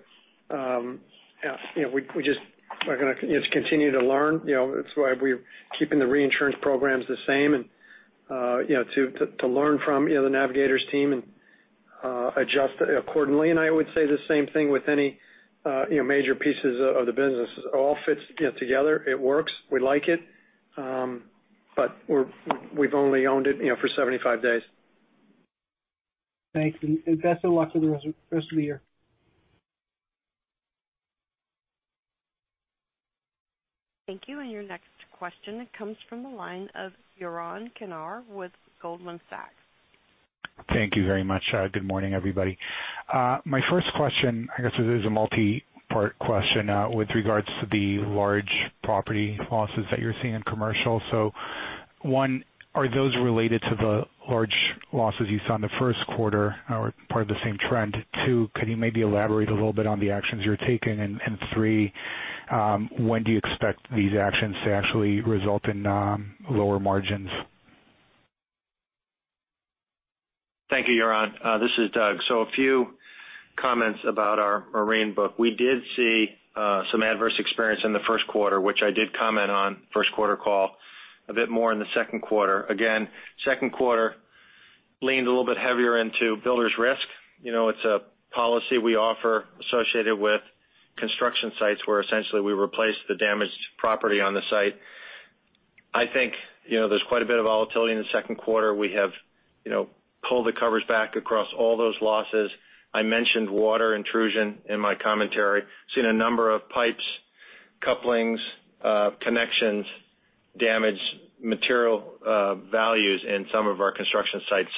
just going to continue to learn. That's why we're keeping the reinsurance programs the same, and to learn from the Navigators team and adjust accordingly. I would say the same thing with any major pieces of the business. It all fits together. It works. We like it. We've only owned it for 75 days. Thanks, best of luck for the rest of the year. Thank you. Your next question comes from the line of Yaron Kinar with Goldman Sachs. Thank you very much. Good morning, everybody. My first question, I guess this is a multi-part question with regards to the large property losses that you're seeing in commercial. 1, are those related to the large losses you saw in the first quarter or part of the same trend? 2, could you maybe elaborate a little bit on the actions you're taking? 3, when do you expect these actions to actually result in lower margins? Thank you, Yaron. This is Doug. A few comments about our marine book. We did see some adverse experience in the first quarter, which I did comment on first quarter call, a bit more in the second quarter. Again, second quarter leaned a little bit heavier into Builders Risk. It's a policy we offer associated with construction sites where essentially we replace the damaged property on the site. I think there's quite a bit of volatility in the second quarter. We have pulled the covers back across all those losses. I mentioned water intrusion in my commentary. Seen a number of pipes couplings, connections, damage material values in some of our construction sites.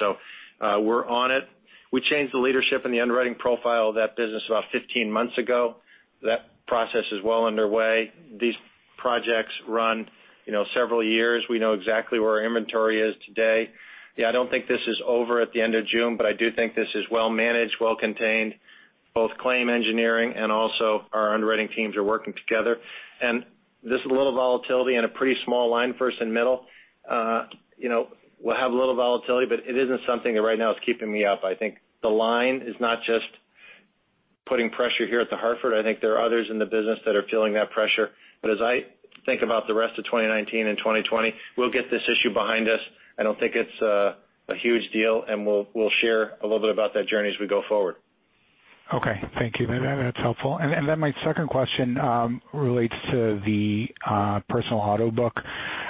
We're on it. We changed the leadership and the underwriting profile of that business about 15 months ago. That process is well underway. These projects run several years. We know exactly where our inventory is today. Yeah, I don't think this is over at the end of June, but I do think this is well managed, well contained. Both claim engineering and also our underwriting teams are working together. This is a little volatility in a pretty small line for us in middle. We'll have a little volatility, but it isn't something that right now is keeping me up. I think the line is not just putting pressure here at The Hartford. I think there are others in the business that are feeling that pressure. As I think about the rest of 2019 and 2020, we'll get this issue behind us. I don't think it's a huge deal, we'll share a little bit about that journey as we go forward. Okay. Thank you. That's helpful. My second question relates to the personal auto book.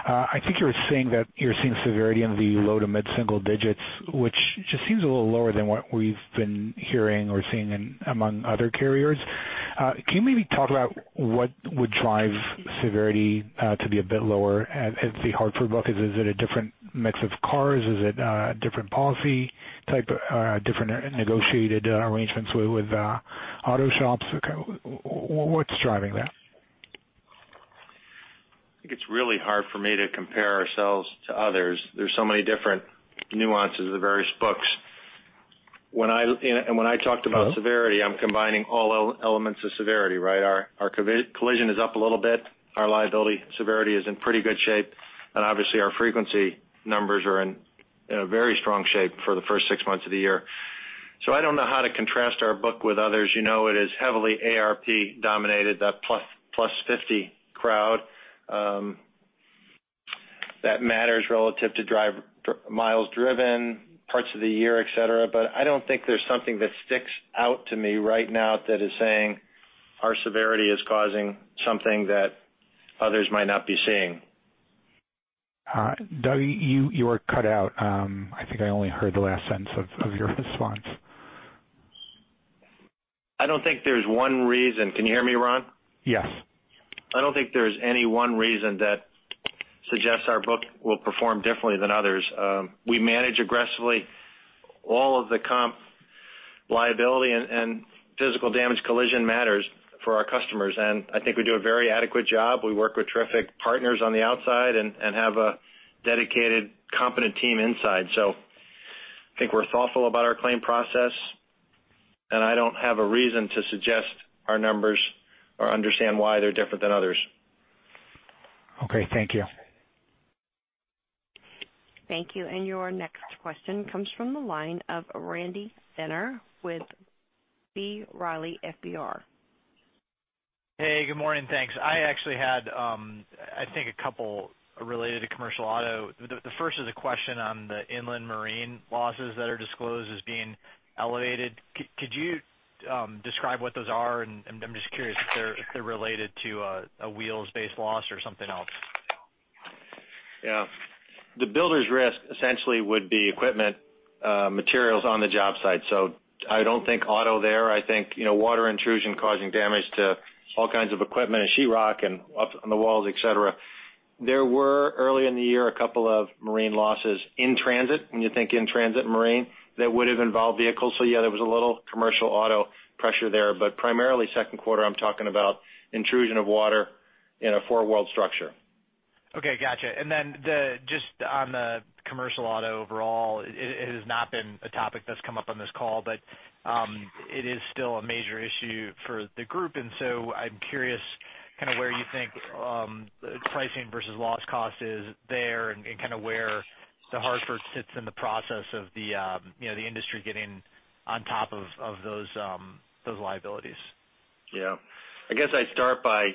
I think you were saying that you're seeing severity in the low to mid-single digits, which just seems a little lower than what we've been hearing or seeing among other carriers. Can you maybe talk about what would drive severity to be a bit lower at The Hartford book? Is it a different mix of cars? Is it different policy type or different negotiated arrangements with auto shops? What's driving that? I think it's really hard for me to compare ourselves to others. There's so many different nuances of the various books. When I talked about severity, I'm combining all elements of severity, right? Our collision is up a little bit. Our liability severity is in pretty good shape. Obviously our frequency numbers are in a very strong shape for the first six months of the year. I don't know how to contrast our book with others. You know it is heavily AARP-dominated, that plus 50 crowd. That matters relative to miles driven, parts of the year, et cetera. I don't think there's something that sticks out to me right now that is saying our severity is causing something that others might not be seeing. All right. You were cut out. I think I only heard the last sentence of your response. I don't think there's one reason. Can you hear me, Ron? Yes. I don't think there's any one reason that suggests our book will perform differently than others. We manage aggressively all of the comp liability and physical damage collision matters for our customers, and I think we do a very adequate job. We work with terrific partners on the outside and have a dedicated, competent team inside. I think we're thoughtful about our claim process, and I don't have a reason to suggest our numbers or understand why they're different than others. Okay, thank you. Thank you. Your next question comes from the line of Randy Binner with B. Riley FBR. Hey, good morning. Thanks. I actually had, I think a couple related to commercial auto. The first is a question on the Inland Marine losses that are disclosed as being elevated. Could you describe what those are? And I'm just curious if they're related to a wheels-based loss or something else. Yeah. The Builders Risk essentially would be equipment materials on the job site. I don't think auto there, I think water intrusion causing damage to all kinds of equipment and sheetrock and up on the walls, et cetera. There were, early in the year, a couple of marine losses in transit, when you think in-transit marine, that would have involved vehicles. Yeah, there was a little commercial auto pressure there, but primarily second quarter, I'm talking about intrusion of water in a four-walled structure. Okay, gotcha. Just on the commercial auto overall, it has not been a topic that's come up on this call, but it is still a major issue for the group. I'm curious where you think pricing versus loss cost is there and where The Hartford sits in the process of the industry getting on top of those liabilities. Yeah. I guess I'd start by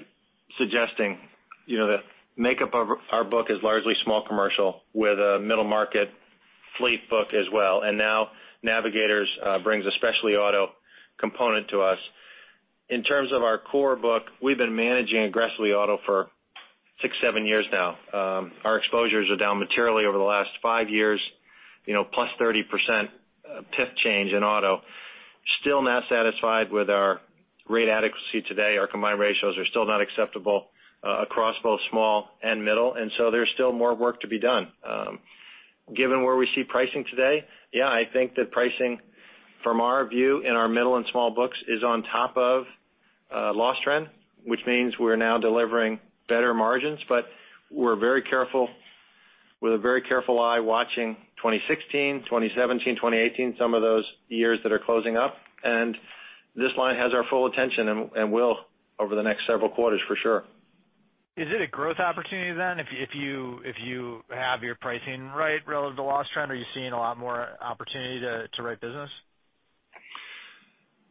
suggesting the makeup of our book is largely small commercial with a middle-market fleet book as well. Now Navigators brings a specialty auto component to us. In terms of our core book, we've been managing aggressively auto for six, seven years now. Our exposures are down materially over the last five years, plus 30% PIF change in auto. Still not satisfied with our rate adequacy today. Our combined ratios are still not acceptable across both small and middle, there's still more work to be done. Given where we see pricing today, yeah, I think that pricing from our view in our middle and small books is on top of loss trend, which means we're now delivering better margins, but we're very careful, with a very careful eye watching 2016, 2017, 2018, some of those years that are closing up. This line has our full attention and will over the next several quarters for sure. Is it a growth opportunity, if you have your pricing right relative to loss trend? Are you seeing a lot more opportunity to write business?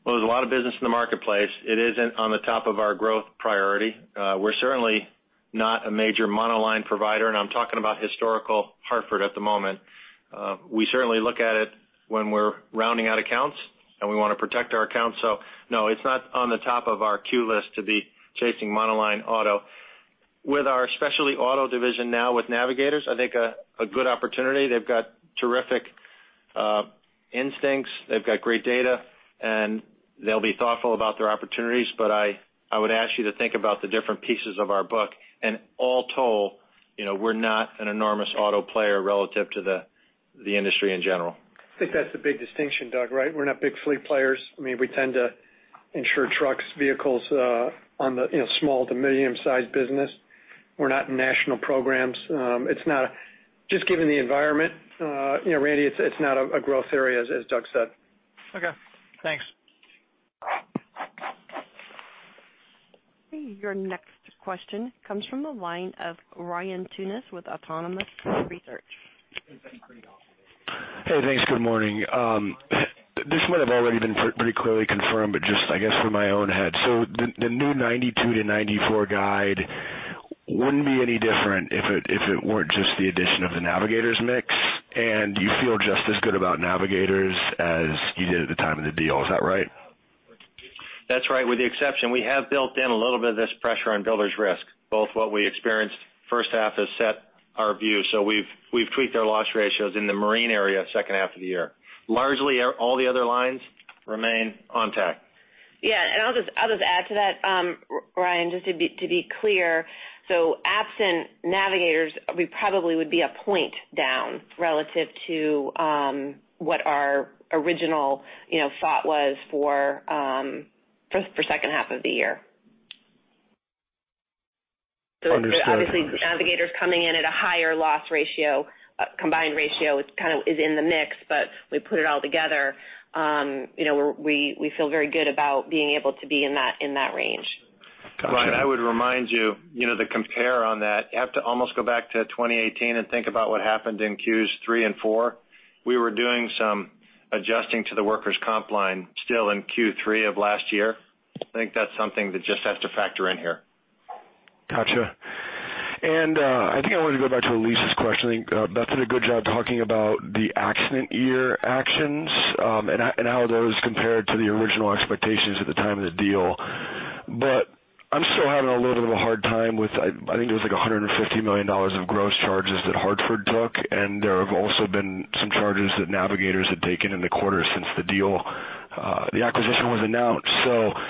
There's a lot of business in the marketplace. It isn't on the top of our growth priority. We're certainly not a major monoline provider, and I'm talking about historical Hartford at the moment. We certainly look at it when we're rounding out accounts, and we want to protect our accounts. No, it's not on the top of our queue list to be chasing monoline auto. With our specialty auto division now with Navigators, I think a good opportunity. They've got terrific instincts, they've got great data, and they'll be thoughtful about their opportunities. I would ask you to think about the different pieces of our book, and all told, we're not an enormous auto player relative to the industry in general. I think that's the big distinction, Doug, right? We're not big fleet players. We tend to insure trucks, vehicles on the small to medium-sized business. We're not in national programs. Just given the environment, Randy, it's not a growth area, as Doug said. Okay, thanks. Your next question comes from the line of Ryan Tunis with Autonomous Research. Hey, thanks. Good morning. This might have already been pretty clearly confirmed, but just I guess for my own head. The new 92 to 94 guide wouldn't be any different if it weren't just the addition of the Navigators mix? You feel just as good about Navigators as you did at the time of the deal. Is that right? That's right. With the exception, we have built in a little bit of this pressure on Builders Risk, both what we experienced first half has set our view. We've tweaked our loss ratios in the marine area second half of the year. Largely, all the other lines remain on track. Yeah. I'll just add to that, Ryan, just to be clear. Absent Navigators, we probably would be a point down relative to what our original thought was for second half of the year. Understood. Obviously Navigators coming in at a higher loss ratio, combined ratio is in the mix, but we put it all together. We feel very good about being able to be in that range. Got you. Ryan, I would remind you, the compare on that, you have to almost go back to 2018 and think about what happened in Q3 and Q4. We were doing some adjusting to the workers' comp line still in Q3 of last year. I think that's something that just has to factor in here. Got you. I think I wanted to go back to Elyse's question. I think Beth did a good job talking about the accident year actions, and how those compared to the original expectations at the time of the deal. I'm still having a little bit of a hard time with, I think it was like $150 million of gross charges that The Hartford took, and there have also been some charges that Navigators had taken in the quarter since the deal, the acquisition was announced.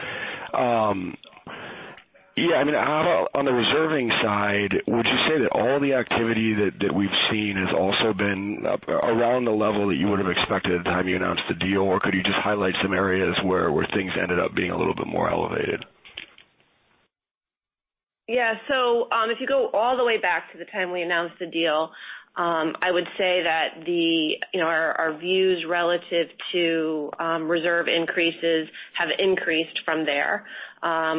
On the reserving side, would you say that all the activity that we've seen has also been around the level that you would've expected at the time you announced the deal? Or could you just highlight some areas where things ended up being a little bit more elevated? Yeah. If you go all the way back to the time we announced the deal, I would say that our views relative to reserve increases have increased from there.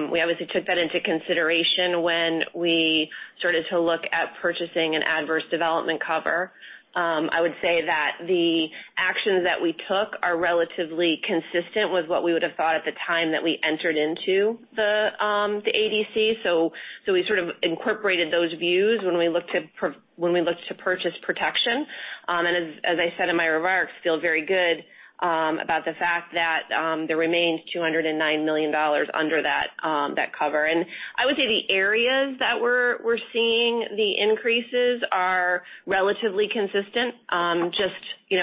We obviously took that into consideration when we started to look at purchasing an adverse development cover. I would say that the actions that we took are relatively consistent with what we would've thought at the time that we entered into the ADC. We sort of incorporated those views when we looked to purchase protection. As I said in my remarks, feel very good about the fact that there remains $209 million under that cover. I would say the areas that we're seeing the increases are relatively consistent. Just,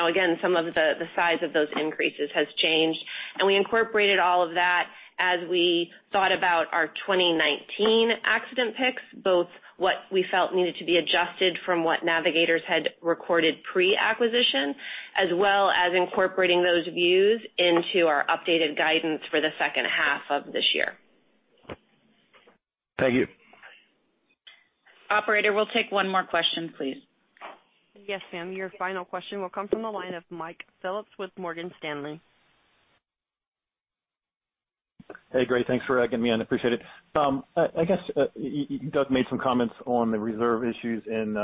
again, some of the size of those increases has changed. We incorporated all of that as we thought about our 2019 accident picks, both what we felt needed to be adjusted from what Navigators had recorded pre-acquisition, as well as incorporating those views into our updated guidance for the second half of this year. Thank you. Operator, we'll take one more question, please. Yes, ma'am. Your final question will come from the line of Michael Phillips with Morgan Stanley. Hey, great. Thanks for adding me in. Appreciate it. I guess, Doug made some comments on the reserve issues in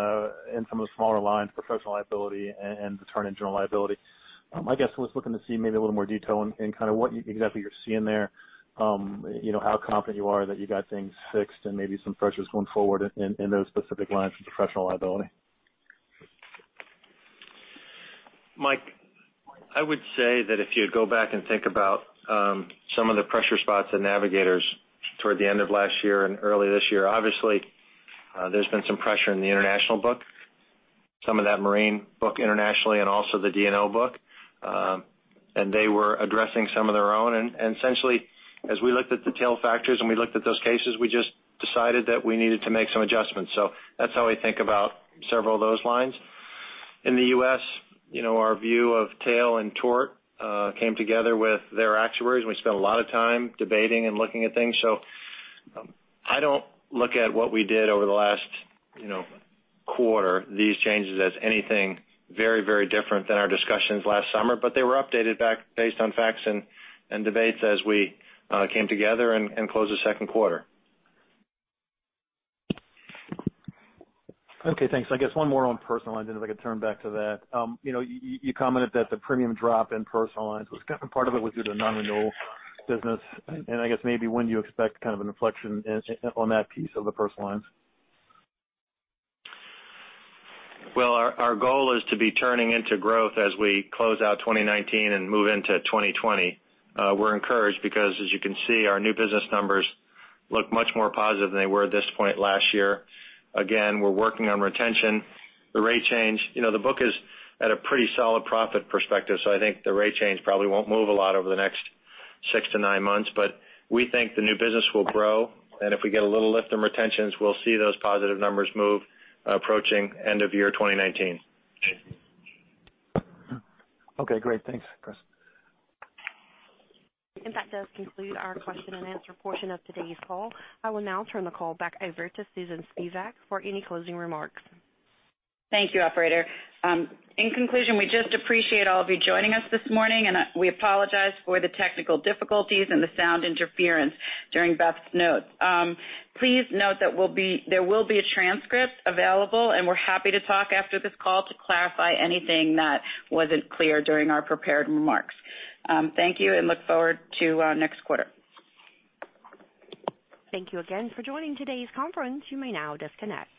some of the smaller lines, professional liability and the turn in general liability. I guess I was looking to see maybe a little more detail in kind of what exactly you're seeing there, how confident you are that you got things fixed, and maybe some pressures going forward in those specific lines with professional liability. Mike, I would say that if you go back and think about some of the pressure spots in Navigators toward the end of last year and early this year, obviously there's been some pressure in the international book, some of that marine book internationally and also the D&O book. They were addressing some of their own. Essentially, as we looked at the tail factors and we looked at those cases, we just decided that we needed to make some adjustments. That's how I think about several of those lines. In the U.S., our view of tail and tort came together with their actuaries, and we spent a lot of time debating and looking at things. I don't look at what we did over the last quarter, these changes as anything very different than our discussions last summer, but they were updated based on facts and debates as we came together and closed the second quarter. Okay, thanks. I guess one more on personal lines, if I could turn back to that. You commented that the premium drop in personal lines was, part of it was due to non-renewal business, and I guess maybe when do you expect kind of an inflection on that piece of the personal lines? Well, our goal is to be turning into growth as we close out 2019 and move into 2020. We're encouraged because as you can see, our new business numbers look much more positive than they were at this point last year. Again, we're working on retention. The rate change. The book is at a pretty solid profit perspective, so I think the rate change probably won't move a lot over the next six to nine months. We think the new business will grow, and if we get a little lift in retentions, we'll see those positive numbers move approaching end of year 2019. Okay, great. Thanks, Chris. That does conclude our question and answer portion of today's call. I will now turn the call back over to Susan Spivak for any closing remarks. Thank you, operator. In conclusion, we just appreciate all of you joining us this morning, and we apologize for the technical difficulties and the sound interference during Beth's notes. Please note that there will be a transcript available, and we are happy to talk after this call to clarify anything that wasn't clear during our prepared remarks. Thank you, and look forward to next quarter. Thank you again for joining today's conference. You may now disconnect.